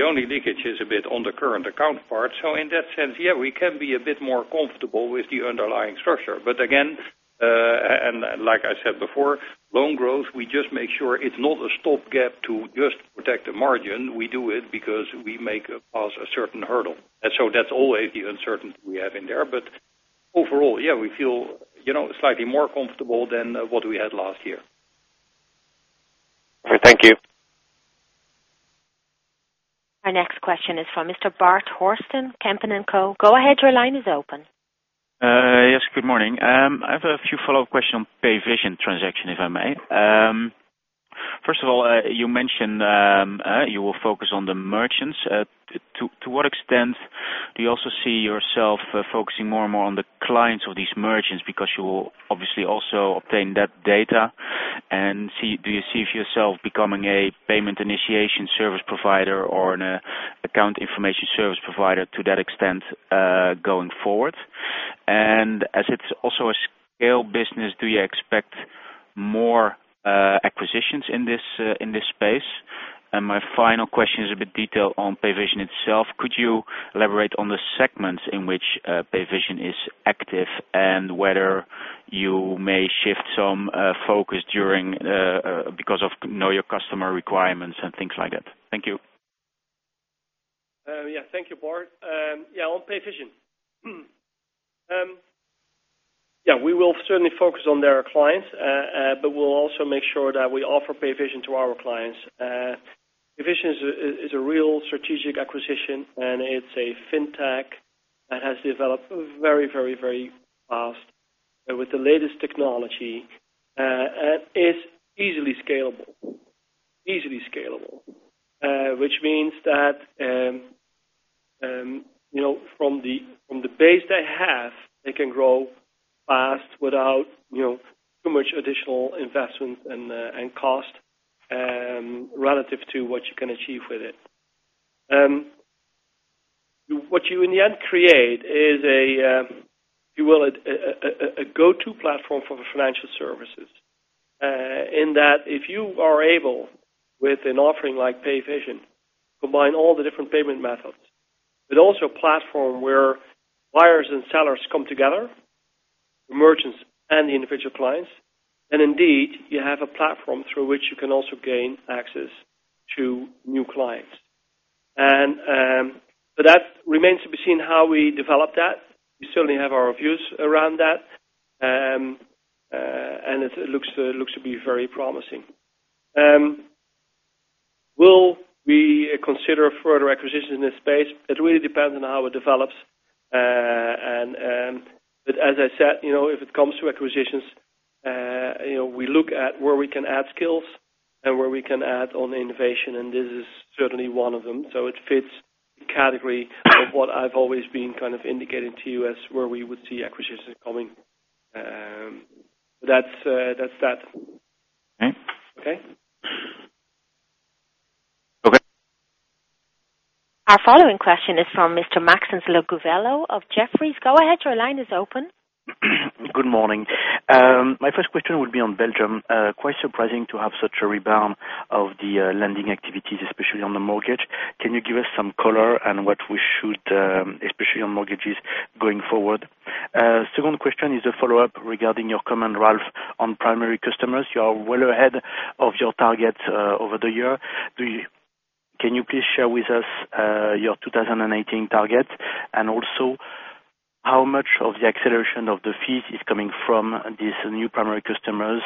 The only leakage is a bit on the current account part. In that sense, yeah, we can be a bit more comfortable with the underlying structure. Again, and like I said before, loan growth, we just make sure it's not a stop gap to just protect the margin. We do it because we make pass a certain hurdle. That's always the uncertainty we have in there. Overall, yeah, we feel slightly more comfortable than what we had last year. Okay, thank you. Our next question is from Mr. Bart Horsten, Kempen & Co. Go ahead, your line is open. Yes, good morning. I have a few follow-up questions on Payvision transaction, if I may. First of all, you mentioned you will focus on the merchants. To what extent do you also see yourself focusing more and more on the clients of these merchants? Because you will obviously also obtain that data and do you see yourself becoming a payment initiation service provider or an account information service provider to that extent, going forward? As it's also a scale business, do you expect more acquisitions in this space? My final question is a bit detailed on Payvision itself. Could you elaborate on the segments in which Payvision is active and whether you may shift some focus because of know your customer requirements and things like that? Thank you. Thank you, Bart. On Payvision. We will certainly focus on their clients, but we'll also make sure that we offer Payvision to our clients. Payvision is a real strategic acquisition, and it's a fintech that has developed very fast with the latest technology, and is easily scalable. From the base they have, they can grow fast without too much additional investment and cost, relative to what you can achieve with it. What you in the end create is, if you will, a go-to platform for financial services, in that if you are able with an offering like Payvision, combine all the different payment methods, but also a platform where buyers and sellers come together, merchants and the individual clients. Indeed, you have a platform through which you can also gain access to new clients. That remains to be seen how we develop that. We certainly have our views around that. It looks to be very promising. Will we consider further acquisitions in this space? It really depends on how it develops. As I said, if it comes to acquisitions, we look at where we can add skills and where we can add on innovation, and this is certainly one of them. It fits the category of what I've always been kind of indicating to you as where we would see acquisitions coming. That's that. Okay. Okay. Our following question is from Mr. Maxence Le Gouvello of Jefferies. Go ahead, your line is open. Good morning. My first question would be on Belgium. Quite surprising to have such a rebound of the lending activities, especially on the mortgage. Can you give us some color on what we should, especially on mortgages, going forward? Second question is a follow-up regarding your comment, Ralph, on primary customers. You are well ahead of your target over the year. Can you please share with us your 2018 target? Also, how much of the acceleration of the fees is coming from these new primary customers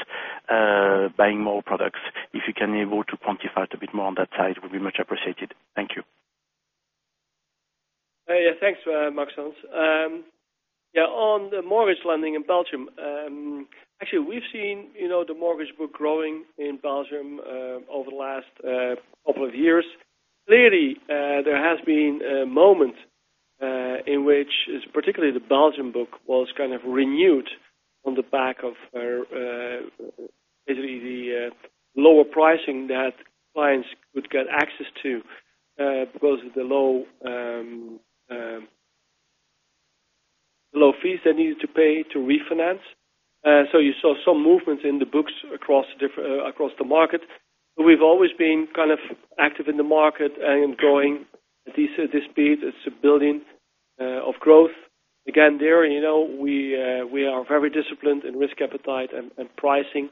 buying more products? If you can be able to quantify it a bit more on that side, it would be much appreciated. Thank you. Yeah. Thanks, Maxence. On the mortgage lending in Belgium, actually, we've seen the mortgage book growing in Belgium over the last couple of years. Clearly, there has been a moment in which, particularly the Belgium book was kind of renewed on the back of basically the lower pricing that clients could get access to because of the low fees they needed to pay to refinance. You saw some movements in the books across the market. We've always been kind of active in the market and growing at this speed. It's a building of growth. Again, there, we are very disciplined in risk appetite and pricing.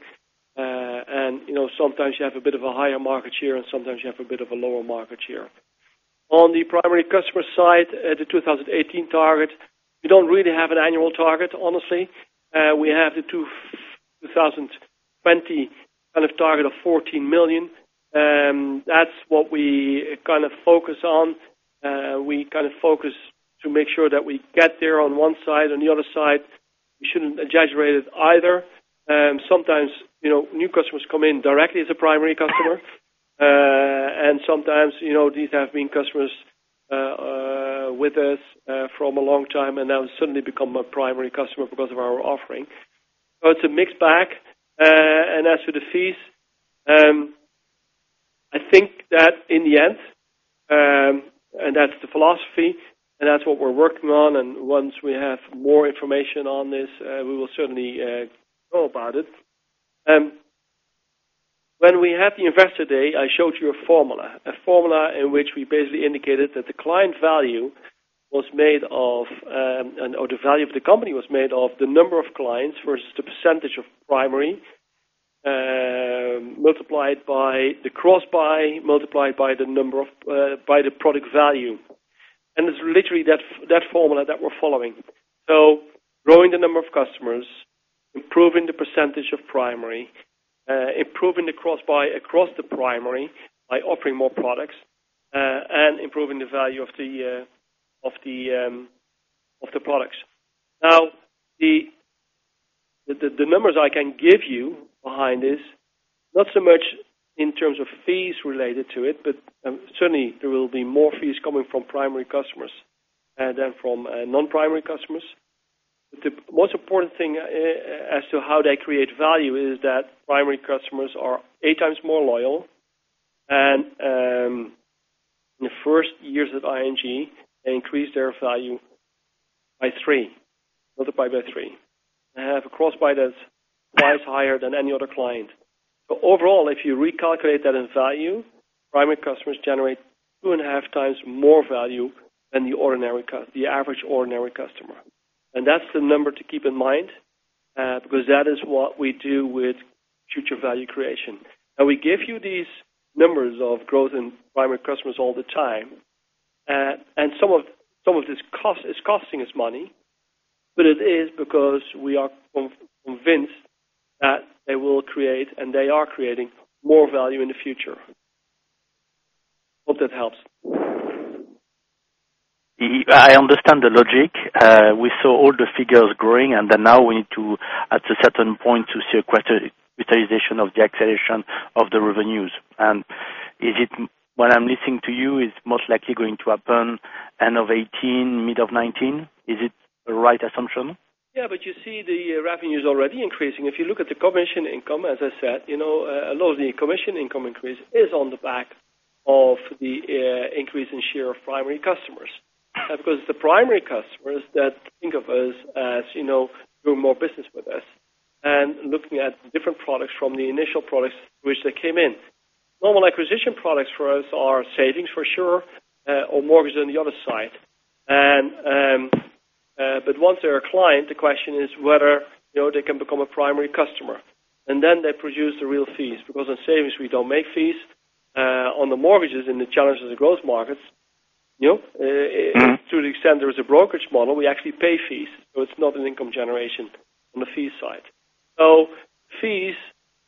Sometimes you have a bit of a higher market share and sometimes you have a bit of a lower market share. On the primary customer side, the 2018 target, we don't really have an annual target, honestly. We have the 2020 target of 14 million. That's what we focus on. We focus to make sure that we get there on one side. On the other side, we shouldn't exaggerate it either. Sometimes, new customers come in directly as a primary customer. Sometimes, these have been customers with us from a long time and now suddenly become a primary customer because of our offering. It's a mixed bag. As for the fees, I think that in the end, and that's the philosophy, and that's what we're working on, and once we have more information on this, we will certainly go about it. When we had the investor day, I showed you a formula. A formula in which we basically indicated that the client value or the value of the company was made of the number of clients versus the percentage of primary, multiplied by the cross-buy, multiplied by the product value. It's literally that formula that we're following. Growing the number of customers, improving the percentage of primary, improving the cross-buy across the primary by offering more products, and improving the value of the products. Now, the numbers I can give you behind this, not so much in terms of fees related to it, but certainly there will be more fees coming from primary customers than from non-primary customers. The most important thing as to how they create value is that primary customers are eight times more loyal. In the first years of ING, they increase their value by three, multiply by three, and have a cross-buy that's twice higher than any other client. Overall, if you recalculate that in value, primary customers generate two and a half times more value than the average ordinary customer. That's the number to keep in mind, because that is what we do with future value creation. Now we give you these numbers of growth in primary customers all the time. Some of this is costing us money, but it is because we are convinced that they will create, and they are creating more value in the future. Hope that helps. I understand the logic. We saw all the figures growing, now we need to, at a certain point to see a revitalization of the acceleration of the revenues. When I'm listening to you, it's most likely going to happen end of 2018, mid of 2019. Is it a right assumption? You see the revenue is already increasing. If you look at the commission income, as I said, a lot of the commission income increase is on the back of the increase in share of primary customers. The primary customers that think of us as doing more business with us and looking at different products from the initial products which they came in. Normal acquisition products for us are savings for sure, or mortgage on the other side. Once they're a client, the question is whether they can become a primary customer. They produce the real fees, because on savings, we don't make fees. On the mortgages and the challenges of growth markets, to the extent there is a brokerage model, we actually pay fees. It's not an income generation on the fee side. Fees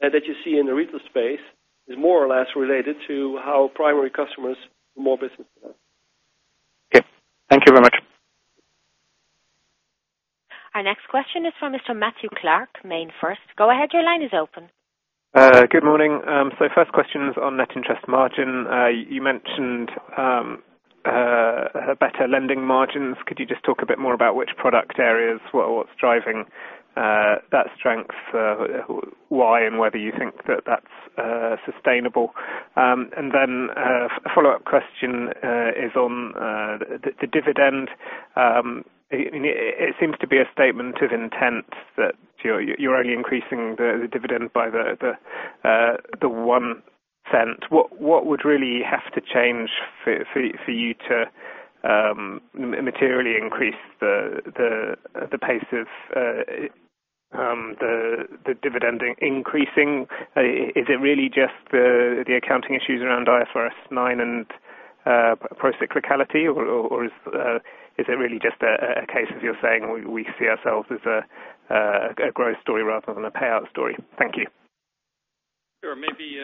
that you see in the retail space is more or less related to how primary customers do more business with us. Okay. Thank you very much. Our next question is from Mr. Matthew Clark, MainFirst. Go ahead, your line is open. Good morning. First question is on Net Interest Margin. You mentioned better lending margins. Could you just talk a bit more about which product areas, what is driving that strength, why, and whether you think that that is sustainable? A follow-up question is on the dividend. It seems to be a statement of intent that you are only increasing the dividend by the 0.01. What would really have to change for you to materially increase the pace of the dividend increasing? Is it really just the accounting issues around IFRS 9 and procyclicality, or is it really just a case of you saying, we see ourselves as a growth story rather than a payout story? Thank you. Sure. Maybe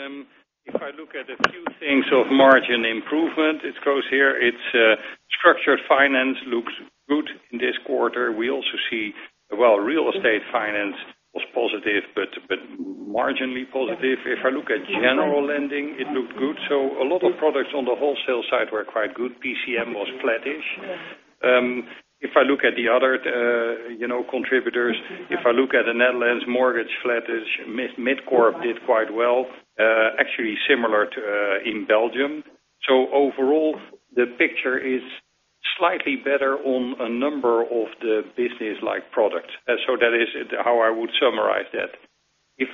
if I look at a few things of margin improvement, it goes here. It is structured finance looks good in this quarter. We also see, real estate finance was positive, but marginally positive. If I look at general lending, it looked good. A lot of products on the wholesale side were quite good. PCM was flattish. If I look at the other contributors, if I look at the Netherlands mortgage, flattish. Mid-core did quite well, actually similar to in Belgium. Overall, the picture is slightly better on a number of the business-like products. That is how I would summarize that. In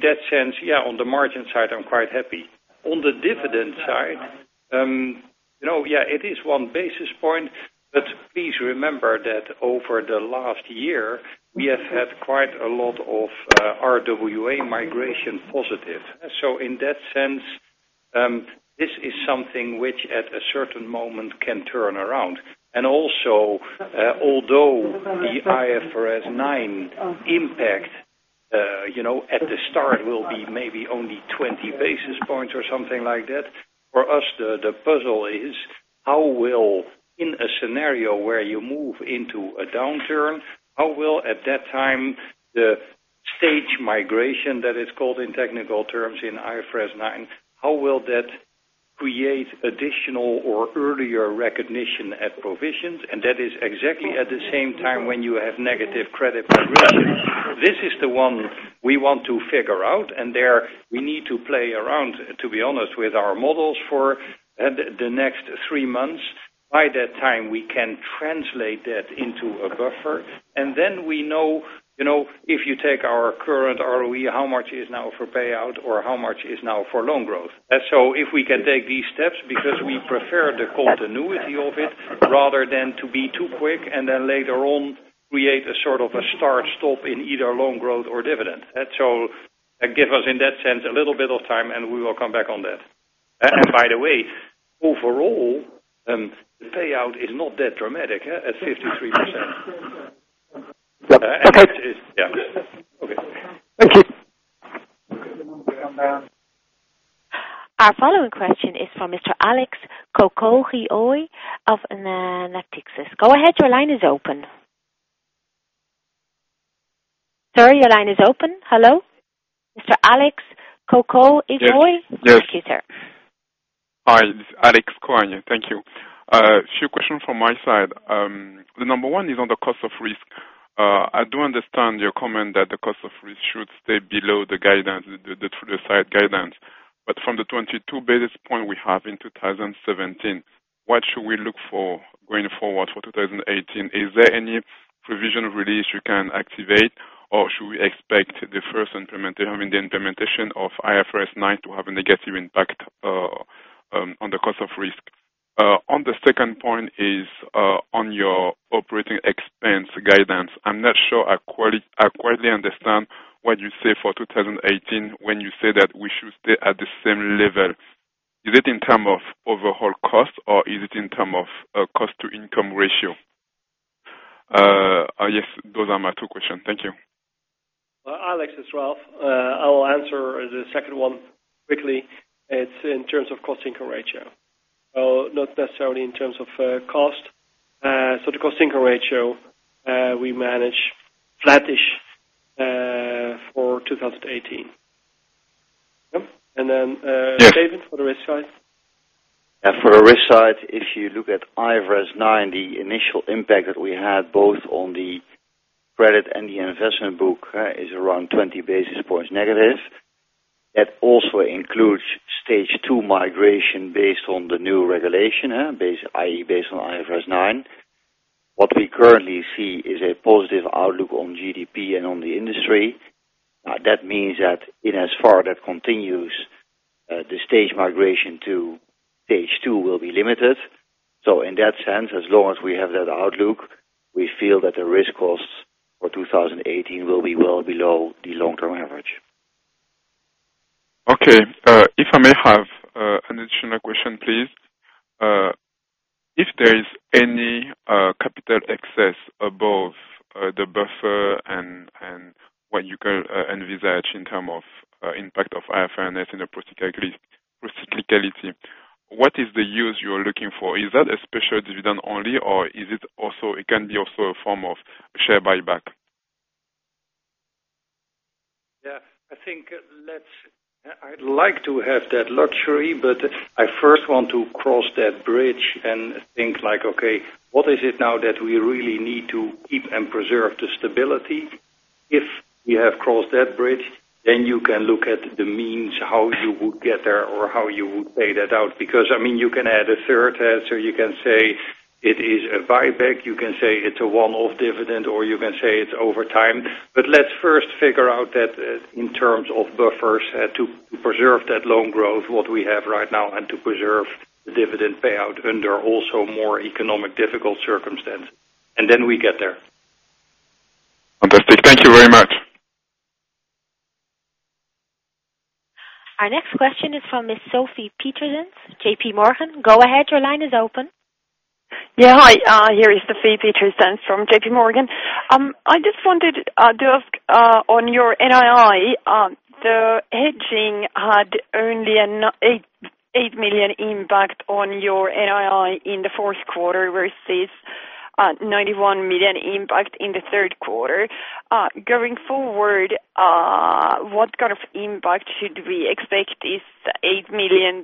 that sense, on the margin side, I'm quite happy. On the dividend side, it is one basis point. Please remember that over the last year, we have had quite a lot of RWA migration positive. In that sense, this is something which at a certain moment can turn around. Also, although the IFRS 9 impact at the start will be maybe only 20 basis points or something like that. For us, the puzzle is, in a scenario where you move into a downturn, how will at that time, the stage migration that is called in technical terms in IFRS 9, how will that create additional or earlier recognition at provisions? That is exactly at the same time when you have negative credit provisions. This is the one we want to figure out, and there we need to play around, to be honest, with our models for the next three months. By that time, we can translate that into a buffer, and then we know, if you take our current ROE, how much is now for payout or how much is now for loan growth. If we can take these steps, because we prefer the continuity of it, rather than to be too quick and then later on create a sort of a start-stop in either loan growth or dividend. Give us in that sense a little bit of time, and we will come back on that. By the way, overall, the payout is not that dramatic at 53%. Okay. Yeah. Okay. Thank you. Our following question is from Mr. Alex Koagne of Natixis. Go ahead, your line is open. Sir, your line is open. Hello? Mr. Alex Koagne. Yes. Thank you, sir. Hi, this is Alex Koagne. Thank you. A few questions from my side. The number 1 is on the cost of risk. I do understand your comment that the cost of risk should stay below the guidance, the true side guidance. From the 22 basis point we have in 2017, what should we look for going forward for 2018? Is there any provision release you can activate, or should we expect the first implementation of IFRS 9 to have a negative impact on the cost of risk? The second point is on your operating expense guidance. I'm not sure I clearly understand what you say for 2018 when you say that we should stay at the same level. Is it in term of overall cost, or is it in term of cost-income ratio? Yes, those are my two questions. Thank you. Alex, it's Ralph. I will answer the second one quickly. It's in terms of cost-income ratio. Not necessarily in terms of cost. The cost-income ratio, we manage flattish for 2018. Yep. Yes. Steven, for the risk side. For the risk side, if you look at IFRS 9, the initial impact that we had both on the credit and the investment book is around 20 basis points negative. That also includes stage 2 migration based on the new regulation, i.e., based on IFRS 9. What we currently see is a positive outlook on GDP and on the industry. That means that insofar that continues, the stage migration to stage 2 will be limited. In that sense, as long as we have that outlook, we feel that the risk costs for 2018 will be well below the long-term average. Okay. If I may have an additional question, please. If there is any capital excess above the buffer and what you can envisage in terms of impact of IFRS and a particular cyclicality, what is the use you're looking for? Is that a special dividend only, or is it can be also a form of share buyback? Yeah. I'd like to have that luxury, I first want to cross that bridge and think, okay, what is it now that we really need to keep and preserve the stability? If we have crossed that bridge, you can look at the means, how you would get there or how you would pay that out. You can add a third answer. You can say it is a buyback. You can say it's a one-off dividend, or you can say it's over time. Let's first figure out that in terms of buffers to preserve that loan growth, what we have right now, and to preserve the dividend payout under also more economic difficult circumstances. We get there. Understood. Thank you very much. Our next question is from Ms. Sofie Peterzens, JPMorgan. Go ahead. Your line is open. Hi, here is Sofie Peterzens from JPMorgan. I just wanted to ask on your NII, the hedging had only an 8 million impact on your NII in the fourth quarter versus 91 million impact in the third quarter. Going forward, what kind of impact should we expect? Is the 8 million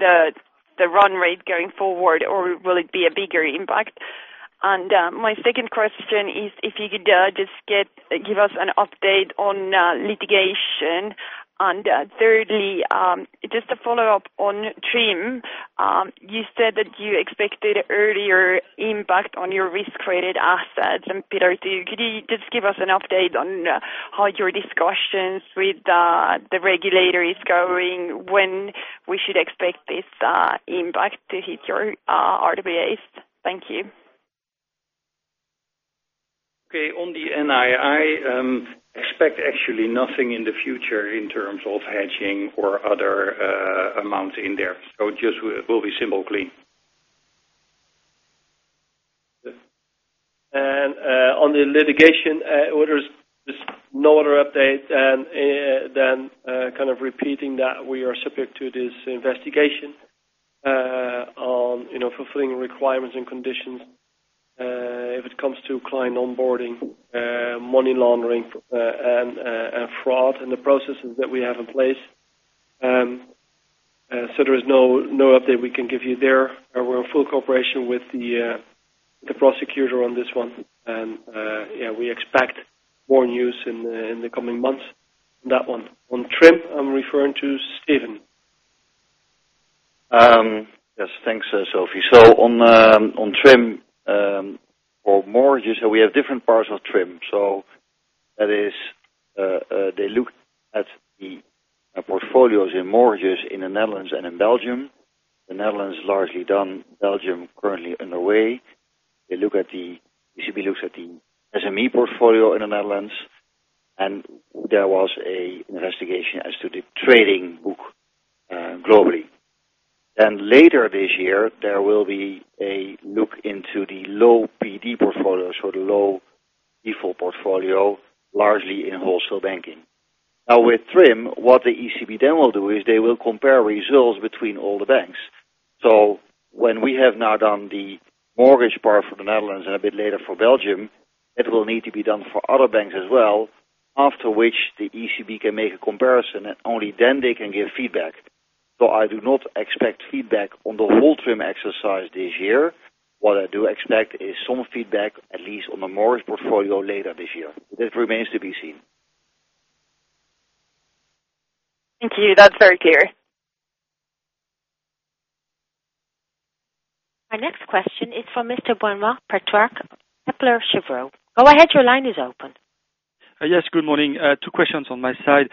the run rate going forward, or will it be a bigger impact? My second question is, if you could just give us an update on litigation. Thirdly, just a follow-up on TRIM. You said that you expected earlier impact on your risk-weighted assets. Steven, could you just give us an update on how your discussions with the regulator is going, when we should expect this impact to hit your RWAs? Thank you. On the NII, expect actually nothing in the future in terms of hedging or other amounts in there. It just will be simple clean. On the litigation orders, there is no other update than kind of repeating that we are subject to this investigation on fulfilling requirements and conditions, if it comes to client onboarding, money laundering, and fraud and the processes that we have in place. There is no update we can give you there. We're in full cooperation with the prosecutor on this one. We expect more news in the coming months on that one. On TRIM, I'm referring to Steven. Yes, thanks, Sofie. On TRIM, for mortgages, we have different parts of TRIM. That is, they looked at the portfolios in mortgages in the Netherlands and in Belgium. The Netherlands is largely done, Belgium currently underway. The ECB looks at the SME portfolio in the Netherlands, and there was an investigation as to the trading book globally. Later this year, there will be a look into the low PD portfolios or the low default portfolio, largely in wholesale banking. With TRIM, what the ECB will do is they will compare results between all the banks. When we have now done the mortgage part for the Netherlands and a bit later for Belgium, it will need to be done for other banks as well, after which the ECB can make a comparison, and only then they can give feedback. I do not expect feedback on the whole TRIM exercise this year. What I do expect is some feedback, at least on the mortgage portfolio later this year. That remains to be seen. Thank you. That's very clear. Our next question is from Mr. Benoît Pétrarque, Kepler Cheuvreux. Go ahead, your line is open. Yes, good morning. 2 questions on my side.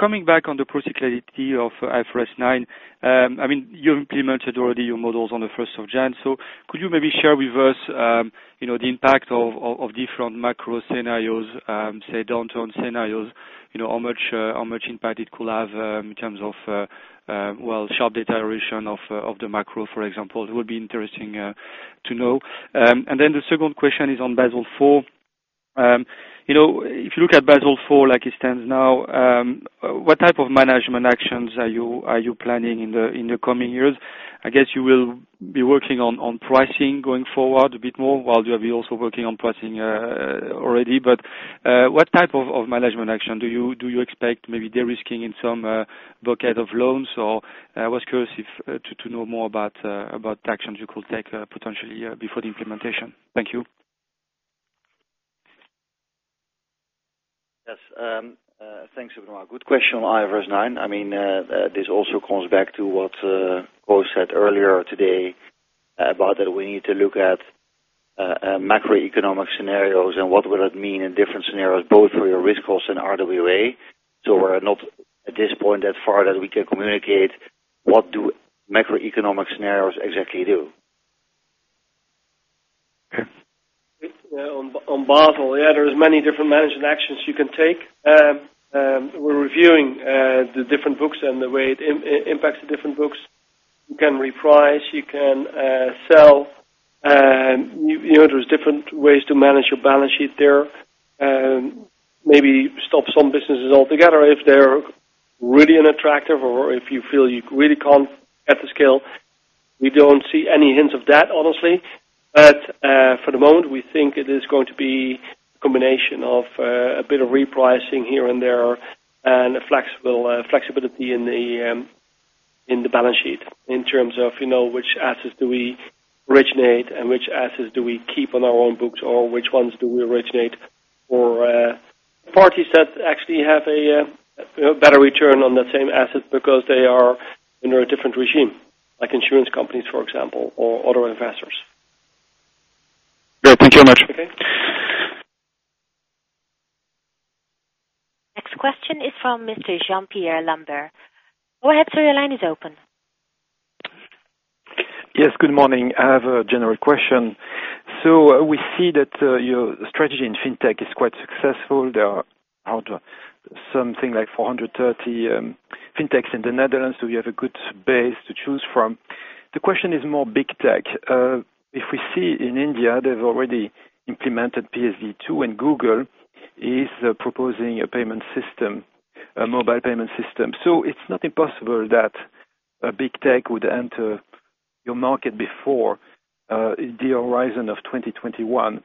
Coming back on the procyclicality of IFRS 9, you implemented already your models on the 1st of January. Could you maybe share with us the impact of different macro scenarios, say downtown scenarios, how much impact it could have in terms of sharp deterioration of the macro, for example? It would be interesting to know. The second question is on Basel IV. If you look at Basel IV like it stands now, what type of management actions are you planning in the coming years? I guess you will be working on pricing going forward a bit more, while you have been also working on pricing already. What type of management action do you expect, maybe de-risking in some bucket of loans? I was curious to know more about actions you could take potentially before the implementation. Thank you. Yes, thanks, Benoît. Good question on IFRS 9. This also comes back to what Koos said earlier today about that we need to look at macroeconomic scenarios and what will it mean in different scenarios, both for your risk costs and RWA. We're not at this point that far that we can communicate what do macroeconomic scenarios exactly do. On Basel, there is many different management actions you can take. We're reviewing the different books and the way it impacts the different books. You can reprice, you can sell. There's different ways to manage your balance sheet there. Maybe stop some businesses altogether if they're really unattractive or if you feel you really can't get the scale. We don't see any hints of that, honestly. For the moment, we think it is going to be a combination of a bit of repricing here and there and flexibility in the balance sheet in terms of which assets do we originate and which assets do we keep on our own books, or which ones do we originate for parties that actually have a better return on that same asset because they are under a different regime, like insurance companies, for example, or other investors. Yeah. Thank you very much. Okay. Next question is from Mr. Jean-Pierre Lambert. Go ahead, sir, your line is open. Yes, good morning. I have a general question. We see that your strategy in fintech is quite successful. There are out something like 430 fintechs in the Netherlands. You have a good base to choose from. The question is more big tech. If we see in India, they've already implemented PSD2. Google is proposing a mobile payment system. It's not impossible that a big tech would enter your market before the horizon of 2021.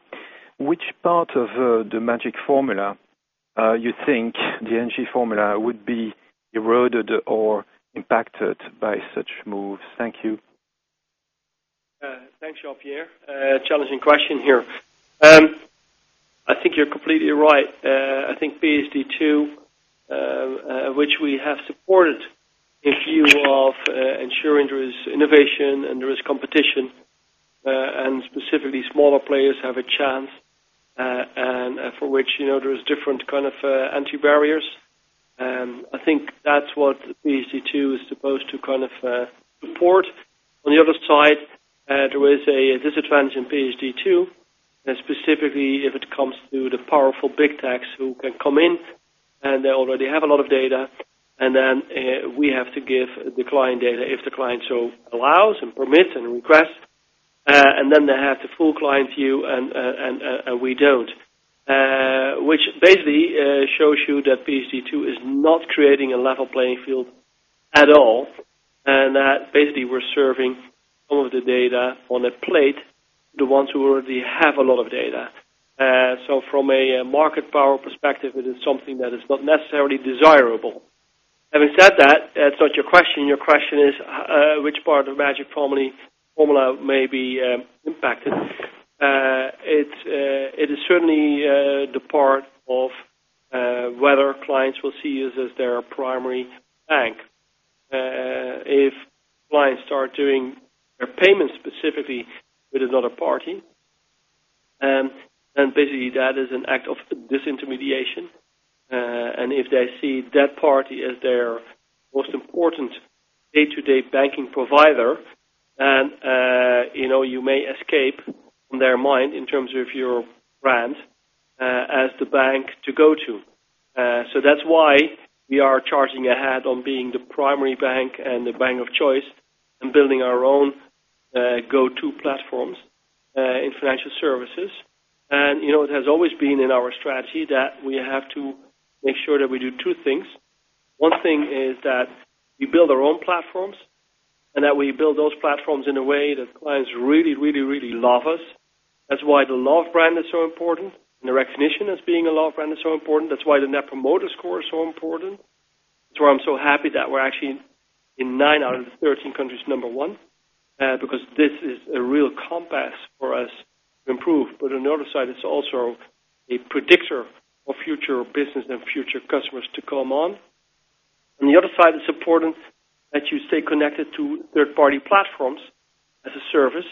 Which part of the magic formula you think, the ING formula, would be eroded or impacted by such moves? Thank you. Thanks, Jean-Pierre. Challenging question here. I think you're completely right. I think PSD2, which we have supported in view of ensuring there is innovation and there is competition, and specifically smaller players have a chance, and for which there is different kind of anti-barriers. I think that's what PSD2 is supposed to support. On the other side, there is a disadvantage in PSD2, and specifically if it comes to the powerful big techs who can come in, and they already have a lot of data, and then we have to give the client data, if the client so allows and permits and requests, and then they have the full client view and we don't. Which basically shows you that PSD2 is not creating a level playing field at all, and that basically we're serving all of the data on a plate, the ones who already have a lot of data. From a market power perspective, it is something that is not necessarily desirable. Having said that's not your question. Your question is, which part of magic formula may be impacted? It is certainly the part of whether clients will see us as their primary bank. If clients start doing their payments specifically with another party, basically that is an act of disintermediation. If they see that party as their most important day-to-day banking provider, you may escape from their mind in terms of your brand as the bank to go to. That's why we are charging ahead on being the primary bank and the bank of choice and building our own go-to platforms in financial services. It has always been in our strategy that we have to make sure that we do two things. One thing is that we build our own platforms and that we build those platforms in a way that clients really love us. That's why the love brand is so important and the recognition as being a love brand is so important. That's why the Net Promoter Score is so important. That's why I'm so happy that we're actually in nine out of the 13 countries, number one, because this is a real compass for us to improve. On the other side, it's also a predictor of future business and future customers to come on. On the other side, it's important that you stay connected to third-party platforms as a service.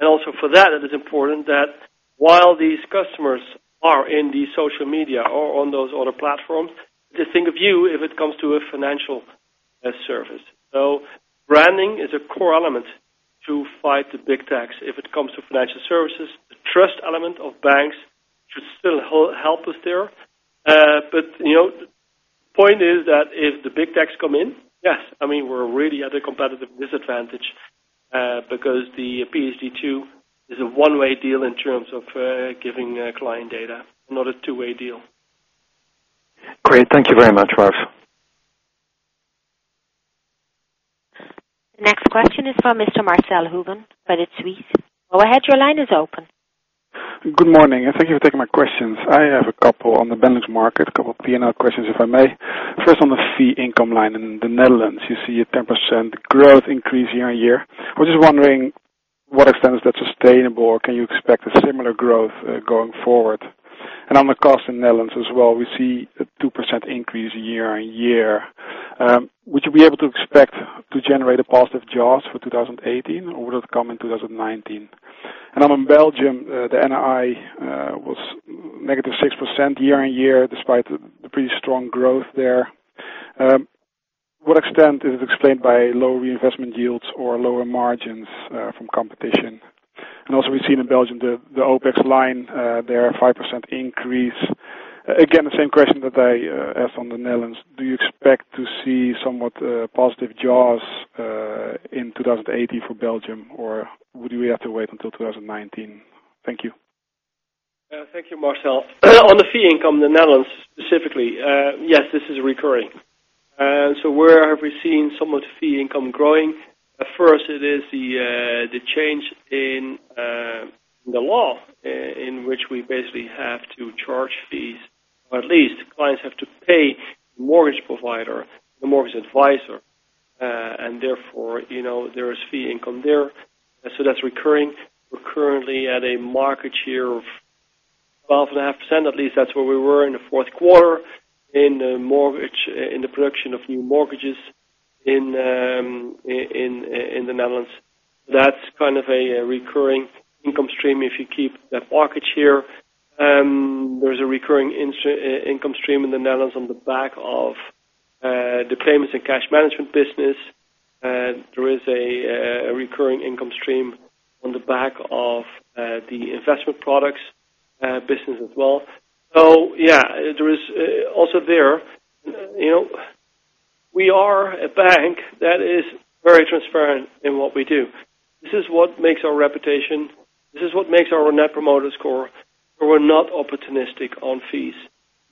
Also for that, it is important that while these customers are in the social media or on those other platforms, they think of you if it comes to a financial service. Branding is a core element to fight the big techs. If it comes to financial services, the trust element of banks should still help us there. The point is that if the big techs come in, yes, we're really at a competitive disadvantage because the PSD2 is a one-way deal in terms of giving client data, not a two-way deal. Great. Thank you very much, Ralph. Next question is from Mr. Marcell Houben, Credit Suisse. Go ahead, your line is open. Good morning. Thank you for taking my questions. I have a couple on the Benelux market, a couple of P&L questions, if I may. First, on the fee income line in the Netherlands, you see a 10% growth increase year-on-year. Was just wondering what extent is that sustainable, or can you expect a similar growth going forward? On the cost in Netherlands as well, we see a 2% increase year-on-year. Would you be able to expect to generate a positive JOS for 2018, or would it come in 2019? On Belgium, the NII was negative 6% year-on-year, despite the pretty strong growth there. What extent is explained by lower investment yields or lower margins from competition? Also we've seen in Belgium the OPEX line there, a 5% increase. Again, the same question that I asked on the Netherlands, do you expect to see somewhat positive JOS in 2018 for Belgium, or would we have to wait until 2019? Thank you. Thank you, Marcell. On the fee income in the Netherlands, specifically, yes, this is recurring. Where have we seen somewhat fee income growing? At first it is the change in the law in which we basically have to charge fees, or at least clients have to pay the mortgage provider, the mortgage advisor, and therefore, there is fee income there. That is recurring. We are currently at a market share of 12.5%, at least that is where we were in the fourth quarter in the production of new mortgages in the Netherlands. That is kind of a recurring income stream if you keep that market share. There is a recurring income stream in the Netherlands on the back of the Payments and Cash Management business. There is a recurring income stream on the back of the investment products business as well. Yeah, there is also there. We are a bank that is very transparent in what we do. This is what makes our reputation, this is what makes our Net Promoter Score, we are not opportunistic on fees.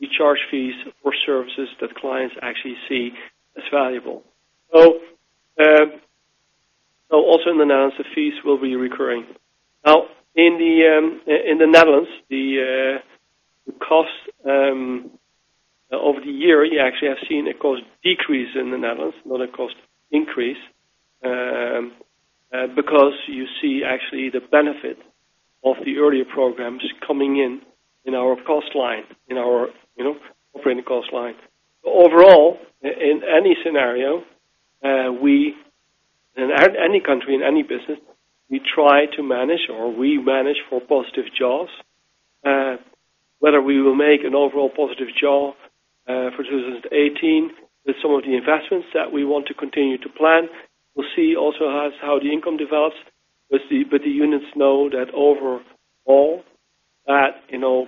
We charge fees for services that clients actually see as valuable. I will also announce the fees will be recurring. Now, in the Netherlands, the cost of the year, you actually have seen a cost decrease in the Netherlands, not a cost increase, because you see actually the benefit of the earlier programs coming in our cost line. Overall, in any scenario, any country, in any business, we try to manage or we manage for positive jaws. Whether we will make an overall positive jaw for 2018 with some of the investments that we want to continue to plan. We will see also how the income develops. The units know that overall, that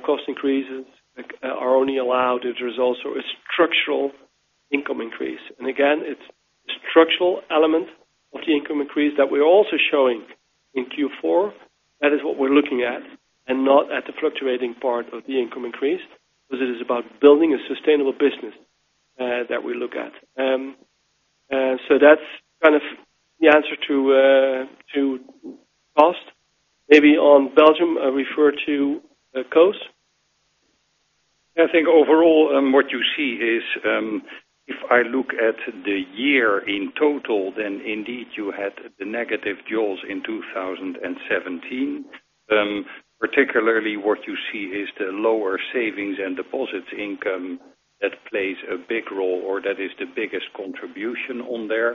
cost increases are only allowed if there is also a structural income increase. Again, it is the structural element of the income increase that we are also showing in Q4. That is what we are looking at, and not at the fluctuating part of the income increase, because it is about building a sustainable business that we look at. That is kind of the answer to cost. Maybe on Belgium, I refer to Koos. I think overall, what you see is if I look at the year in total, indeed you had the negative jaws in 2017. Particularly what you see is the lower savings and deposits income that plays a big role or that is the biggest contribution on there.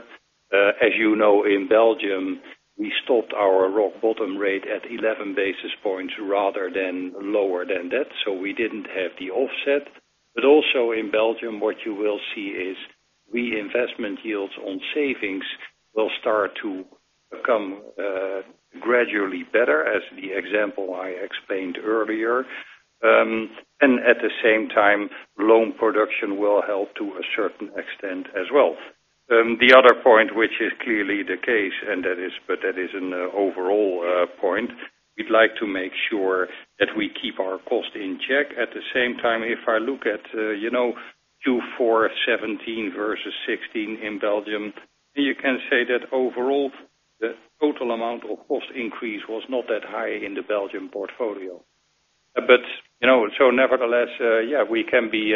As you know, in Belgium, we stopped our rock bottom rate at 11 basis points rather than lower than that, so we did not have the offset. Also in Belgium, what you will see is reinvestment yields on savings will start to become gradually better as the example I explained earlier. At the same time, loan production will help to a certain extent as well. The other point, which is clearly the case, but that is an overall point, we would like to make sure that we keep our cost in check. At the same time, if I look at Q4 2017 versus 2016 in Belgium, you can say that overall, the total amount of cost increase was not that high in the Belgian portfolio. Nevertheless, we can be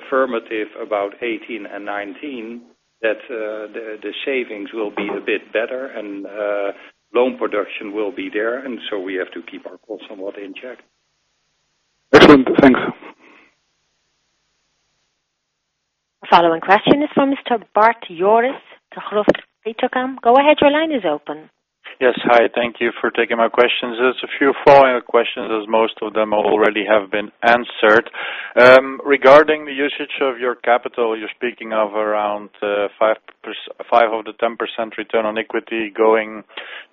affirmative about 2018 and 2019 that the savings will be a bit better and loan production will be there, we have to keep our costs somewhat in check. Excellent. Thanks. The following question is from Mr. Bart Joris, Degroof Petercam. Go ahead, your line is open. Yes. Hi, thank you for taking my questions. There's a few follow-up questions, as most of them already have been answered. Regarding the usage of your capital, you're speaking of around five of the 10% return on equity going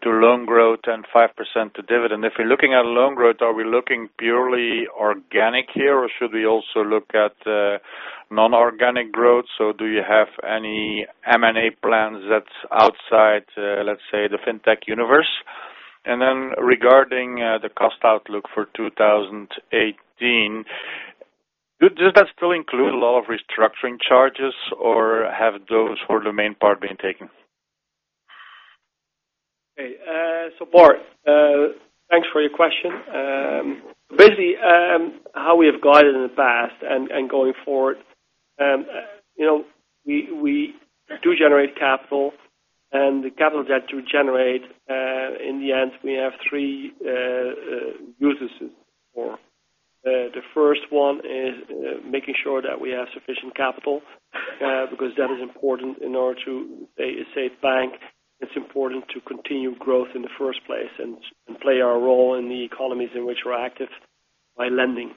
to loan growth and 5% to dividend. If we're looking at loan growth, are we looking purely organic here, or should we also look at non-organic growth? Do you have any M&A plans that's outside, let's say, the fintech universe? And then regarding the cost outlook for 2018, does that still include a lot of restructuring charges, or have those for the main part been taken? Okay. Bart, thanks for your question. Basically, how we have guided in the past and going forward, we do generate capital and the capital that we generate, in the end, we have three uses for. The first one is making sure that we have sufficient capital, because that is important in order to stay a bank. It's important to continue growth in the first place and play our role in the economies in which we're active by lending.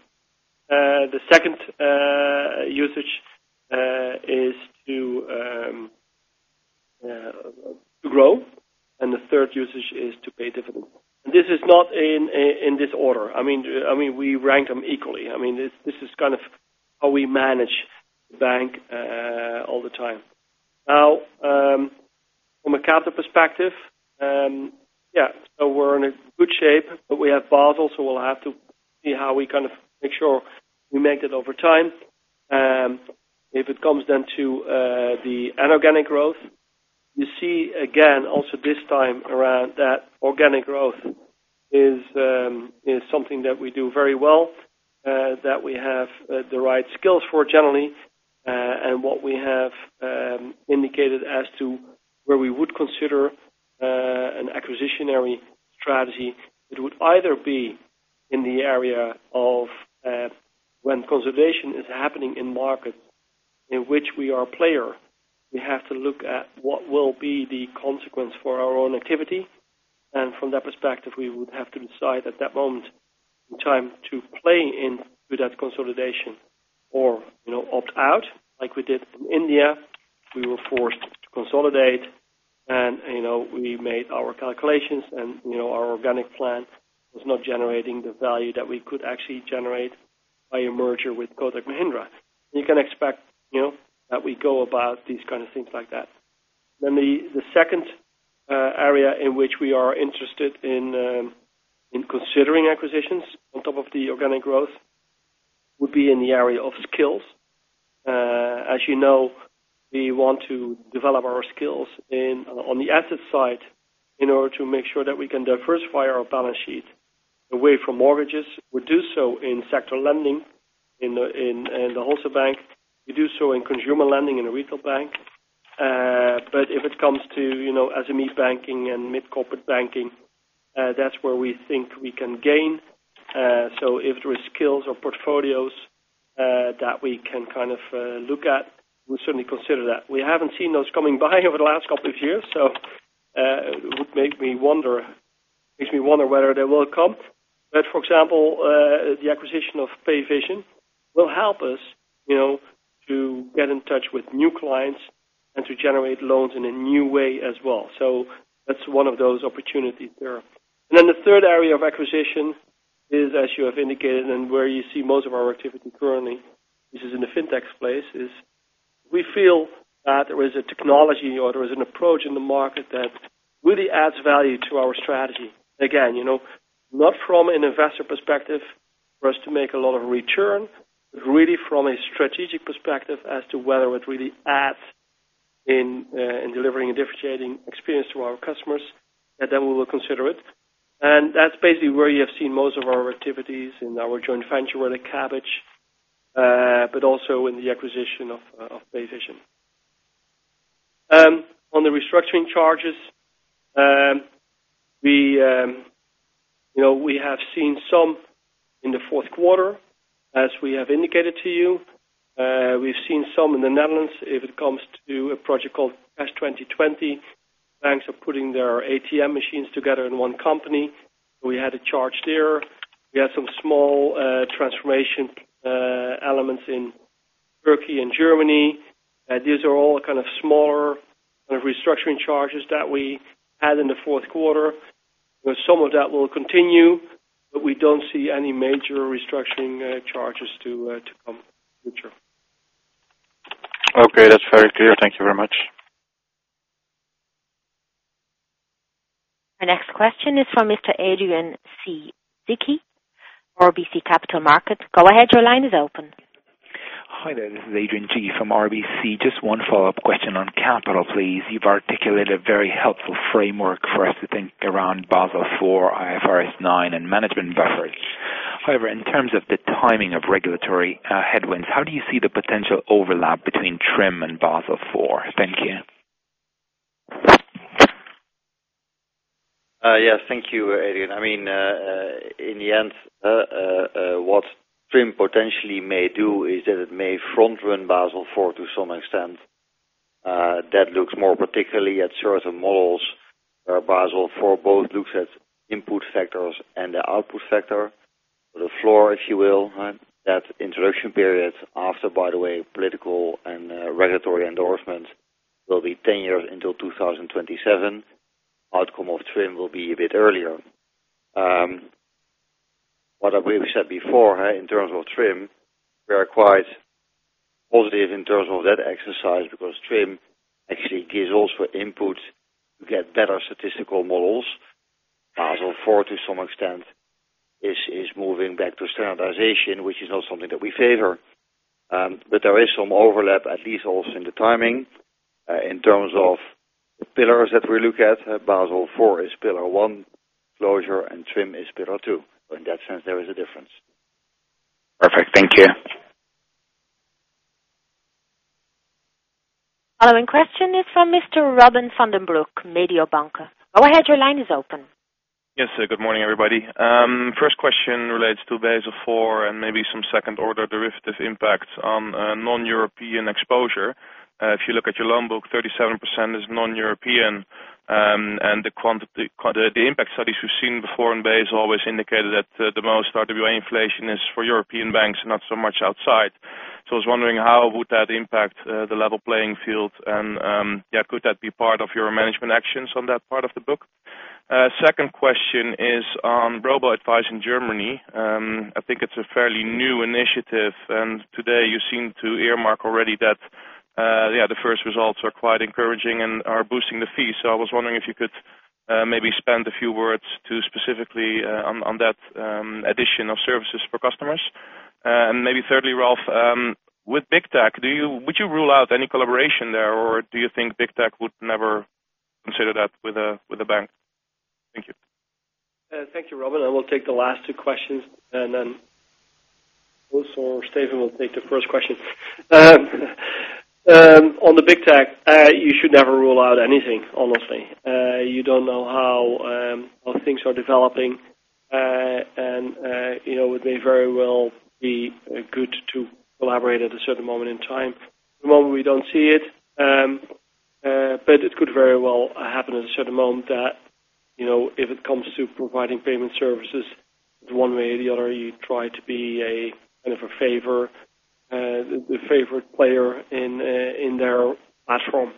The second usage is to grow, and the third usage is to pay dividend. This is not in this order. We rank them equally. This is kind of how we manage the bank all the time. From a capital perspective, we're in a good shape, but we have Basel, we'll have to see how we make sure we make that over time. If it comes to the anorganic growth, you see again, also this time around, that organic growth is something that we do very well, that we have the right skills for generally, and what we have indicated as to where we would consider an acquisitionary strategy. It would either be in the area of when consolidation is happening in market in which we are a player. We have to look at what will be the consequence for our own activity. From that perspective, we would have to decide at that moment in time to play in with that consolidation or opt-out like we did in India. We were forced to consolidate, we made our calculations and our organic plan was not generating the value that we could actually generate by a merger with Kotak Mahindra. You can expect that we go about these kind of things like that. The second area in which we are interested in considering acquisitions on top of the organic growth would be in the area of skills. As you know, we want to develop our skills on the asset side in order to make sure that we can diversify our balance sheet away from mortgages. We do so in sector lending, in the wholesale bank. We do so in consumer lending in the retail bank. If it comes to SME banking and mid-corporate banking, that's where we think we can gain. If there is skills or portfolios that we can look at, we'll certainly consider that. We haven't seen those coming by over the last couple of years, it would make me wonder whether they will come. For example, the acquisition of Payvision will help us to get in touch with new clients and to generate loans in a new way as well. That's one of those opportunities there. The third area of acquisition is, as you have indicated, and where you see most of our activity currently, this is in the FinTech space, is we feel that there is a technology or there is an approach in the market that really adds value to our strategy. Again, not from an investor perspective for us to make a lot of return, but really from a strategic perspective as to whether it really adds in delivering a differentiating experience to our customers, we will consider it. That's basically where you have seen most of our activities in our joint venture with Kabbage, but also in the acquisition of Payvision. On the restructuring charges, we have seen some in the fourth quarter, as we have indicated to you. We've seen some in the Netherlands. If it comes to a project called S2020, banks are putting their ATM machines together in one company. We had a charge there. We had some small transformation elements in Turkey and Germany. These are all kind of smaller restructuring charges that we had in the fourth quarter. Some of that will continue, but we don't see any major restructuring charges to come in the future. Okay, that's very clear. Thank you very much. Our next question is from Mr. Adrian Cighi, RBC Capital Markets. Go ahead, your line is open. Hi there. This is Adrian Cighi from RBC. Just one follow-up question on capital, please. You've articulated a very helpful framework for us to think around Basel IV, IFRS 9, and management buffer. However, in terms of the timing of regulatory headwinds, how do you see the potential overlap between TRIM and Basel IV? Thank you. Yes. Thank you, Adrian. In the end, what TRIM potentially may do is that it may front-run Basel IV to some extent. That looks more particularly at certain models where Basel IV both looks at input factors and the output factor. The floor, if you will. That introduction period after, by the way, political and regulatory endorsement will be 10 years until 2027. Outcome of TRIM will be a bit earlier. What we said before in terms of TRIM, we are quite positive in terms of that exercise because TRIM actually gives also input to get better statistical models. Basel IV, to some extent, is moving back to standardization, which is not something that we favor. There is some overlap, at least also in the timing, in terms of the pillars that we look at. Basel IV is pillar one closure, and TRIM is pillar two. In that sense, there is a difference. Perfect. Thank you. Following question is from Mr. Robin van den Broek, Mediobanca. Go ahead, your line is open. Yes, good morning, everybody. First question relates to Basel IV and maybe some second-order derivative impacts on non-European exposure. If you look at your loan book, 37% is non-European, and the impact studies we've seen before in Basel always indicated that the most RWA inflation is for European banks, not so much outside. I was wondering how would that impact the level playing field, and could that be part of your management actions on that part of the book? Second question is on robo-advice in Germany. I think it's a fairly new initiative, and today you seem to earmark already that the first results are quite encouraging and are boosting the fees. I was wondering if you could maybe spend a few words specifically on that addition of services for customers. Maybe thirdly, Ralph, with Big Tech, would you rule out any collaboration there, or do you think Big Tech would never consider that with a bank? Thank you. Thank you, Robin. I will take the last two questions, and then Wout or Steven will take the first question. On the Big Tech, you should never rule out anything, honestly. You don't know how things are developing, and it may very well be good to collaborate at a certain moment in time. At the moment we don't see it, but it could very well happen at a certain moment that if it comes to providing payment services, the one way or the other, you try to be the favorite player in their platform.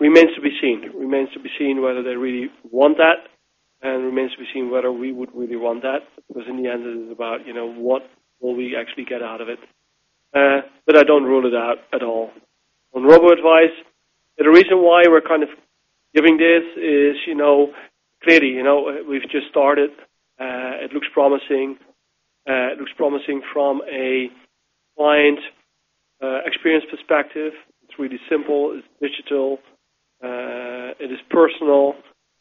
Remains to be seen. Remains to be seen whether they really want that, and remains to be seen whether we would really want that, because in the end, it is about what will we actually get out of it. I don't rule it out at all. On robo-advice, we've just started. It looks promising from a client experience perspective. It's really simple, it's digital, it is personal,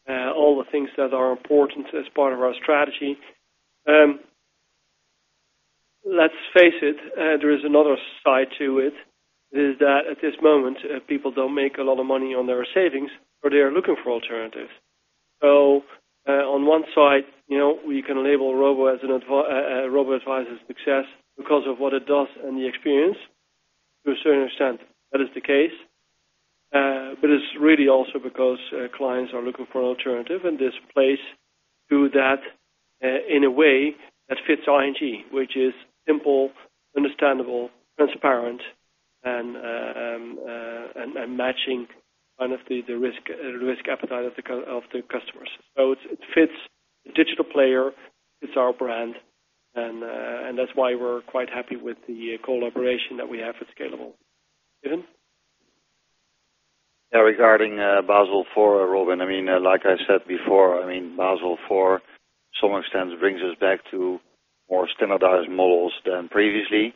all the things that are important as part of our strategy. Let's face it, there is another side to it, is that at this moment, people don't make a lot of money on their savings, but they are looking for alternatives. On one side, we can label robo-adviser a success because of what it does and the experience. To a certain extent, that is the case. It's really also because clients are looking for an alternative, and this plays to that in a way that fits ING, which is simple, understandable, transparent, and matching honestly, the risk appetite of the customers. It fits the digital player, it's our brand, and that's why we're quite happy with the collaboration that we have with Scalable. Steven? Yeah. Regarding Basel IV, Robin, like I said before, Basel IV to some extent brings us back to more standardized models than previously.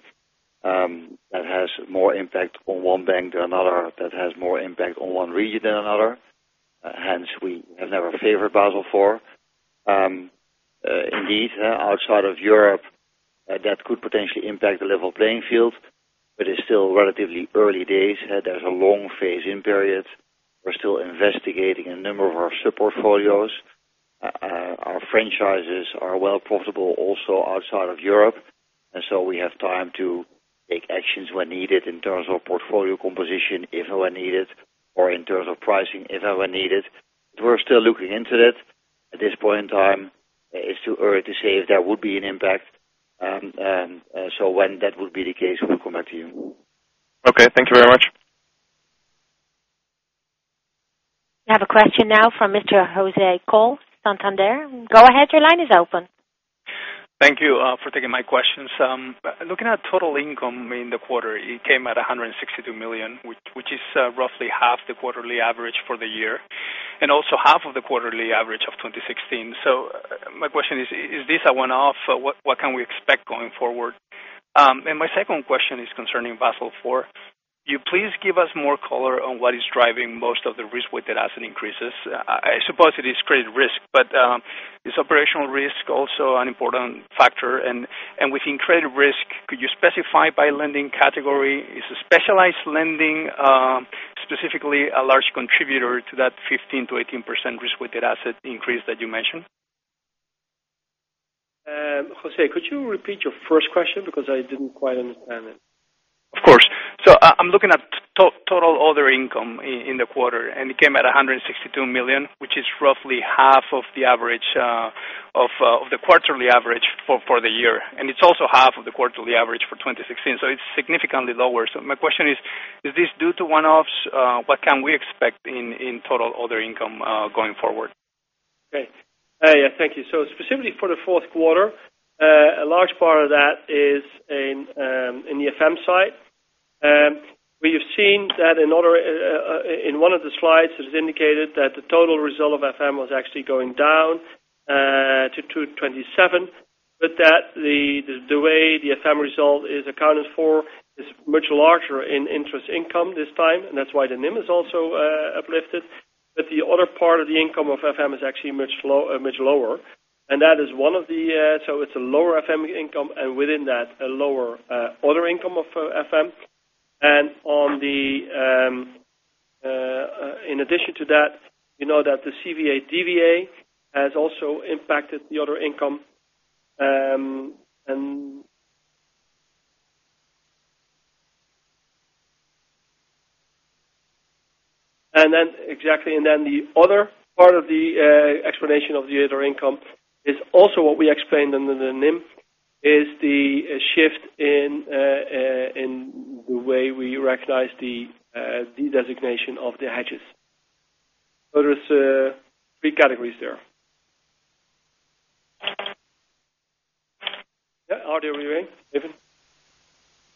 That has more impact on one bank than another, that has more impact on one region than another. Hence, we have never favored Basel IV. Indeed, outside of Europe, that could potentially impact the level playing field, it's still relatively early days. There's a long phase-in period. We're still investigating a number of our sub-portfolios. Our franchises are well possible also outside of Europe, we have time to take actions when needed in terms of portfolio composition if ever needed, or in terms of pricing, if ever needed. We're still looking into it. At this point in time, it's too early to say if there would be an impact. When that would be the case, we'll come back to you. Okay. Thank you very much. We have a question now from Mr. José Coll, Santander. Go ahead, your line is open. Thank you for taking my questions. Looking at total income in the quarter, it came at 162 million, which is roughly half the quarterly average for the year, and also half of the quarterly average of 2016. My question is this a one-off? What can we expect going forward? My second question is concerning Basel IV. Could you please give us more color on what is driving most of the risk-weighted asset increases. I suppose it is credit risk, but is operational risk also an important factor? Within credit risk, could you specify by lending category, is specialized lending, specifically a large contributor to that 15%-18% risk-weighted asset increase that you mentioned? José, could you repeat your first question, because I didn't quite understand it. Of course. I'm looking at total other income in the quarter, and it came at 162 million, which is roughly half of the quarterly average for the year. It's also half of the quarterly average for 2016, so it's significantly lower. My question is this due to one-offs? What can we expect in total other income going forward? Great. Thank you. Specifically for the fourth quarter, a large part of that is in the FM side. We have seen that in one of the slides, it was indicated that the total result of FM was actually going down to 227, but that the way the FM result is accounted for is much larger in interest income this time, and that's why the NIM has also uplifted. The other part of the income of FM is actually much lower. It's a lower FM income, and within that, a lower other income of FM. In addition to that, we know that the CVA/DVA has also impacted the other income. Exactly, the other part of the explanation of the other income is also what we explained under the NIM, is the shift in the way we recognize the designation of the hedges. there's three categories there. Yeah, RWA. Steven.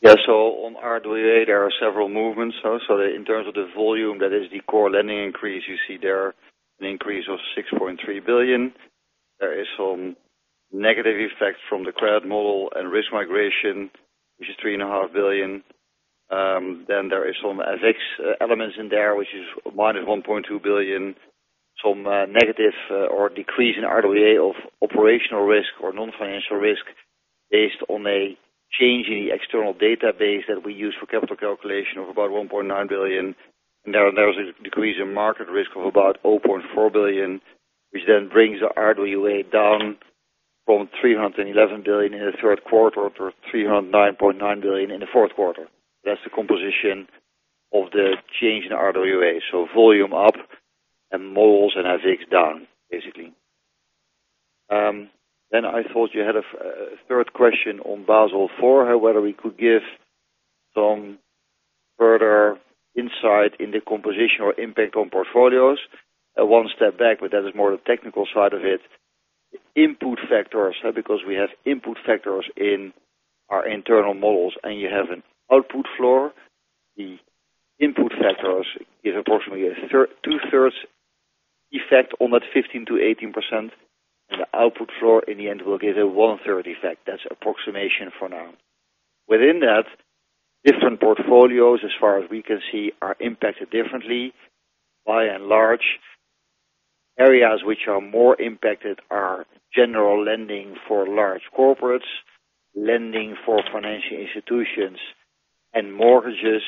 Yeah. On RWA, there are several movements. In terms of the volume, that is the core lending increase you see there, an increase of 6.3 billion. There is some negative effect from the credit model and risk migration, which is three and a half billion. There is some FX elements in there, which is EUR minus 1.2 billion. A negative or decrease in RWA of operational risk or non-financial risk based on a change in the external database that we use for capital calculation of about 1.9 billion. There's a decrease in market risk of about 0.4 billion, which then brings the RWA down from 311 billion in the third quarter to 309.9 billion in the fourth quarter. That's the composition of the change in RWA. Volume up and models and FX down, basically. I thought you had a third question on Basel IV, whether we could give some further insight into composition or impact on portfolios. One step back, that is more the technical side of it. Input factors, because we have input factors in our internal models and you have an output floor. The input factors give approximately a two-thirds effect on that 15%-18%, and the output floor in the end will give a one-third effect. That's approximation for now. Within that, different portfolios, as far as we can see, are impacted differently. By and large, areas which are more impacted are general lending for large corporates, lending for financial institutions, and mortgages.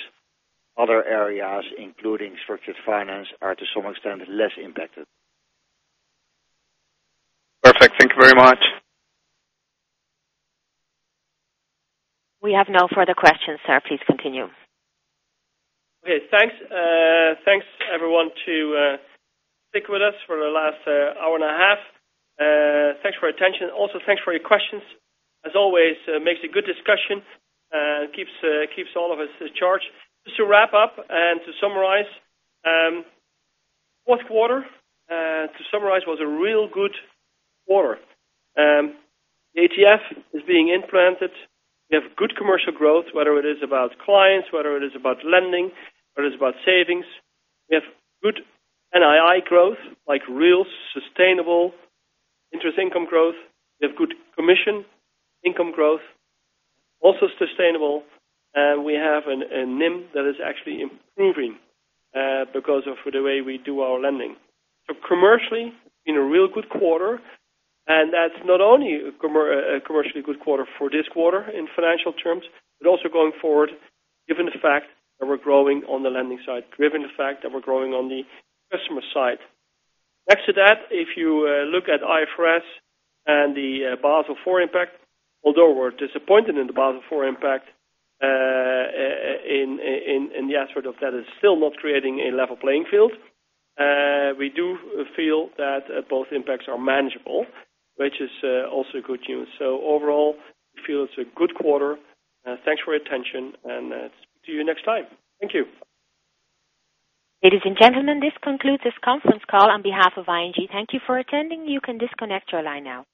Other areas, including structured finance, are to some extent less impacted. Perfect. Thank you very much. We have no further questions, sir. Please continue. Okay, thanks everyone to stick with us for the last hour and a half. Thanks for your attention. Also, thanks for your questions. As always, makes a good discussion, keeps all of us in charge. Just to wrap up and to summarize. Fourth quarter, to summarize, was a real good quarter. ATF is being implanted. We have good commercial growth, whether it is about clients, whether it is about lending, whether it is about savings. We have good NII growth, like real sustainable interest income growth. We have good commission income growth, also sustainable. We have a NIM that is actually improving because of the way we do our lending. Commercially, been a real good quarter, and that is not only a commercially good quarter for this quarter in financial terms, but also going forward, given the fact that we are growing on the lending side, given the fact that we are growing on the customer side. Next to that, if you look at IFRS and the Basel IV impact, although we are disappointed in the Basel IV impact, in the aspect of that is still not creating a level playing field. We do feel that both impacts are manageable, which is also good news. Overall, we feel it is a good quarter. Thanks for your attention and speak to you next time. Thank you. Ladies and gentlemen, this concludes this conference call. On behalf of ING, thank you for attending. You can disconnect your line now.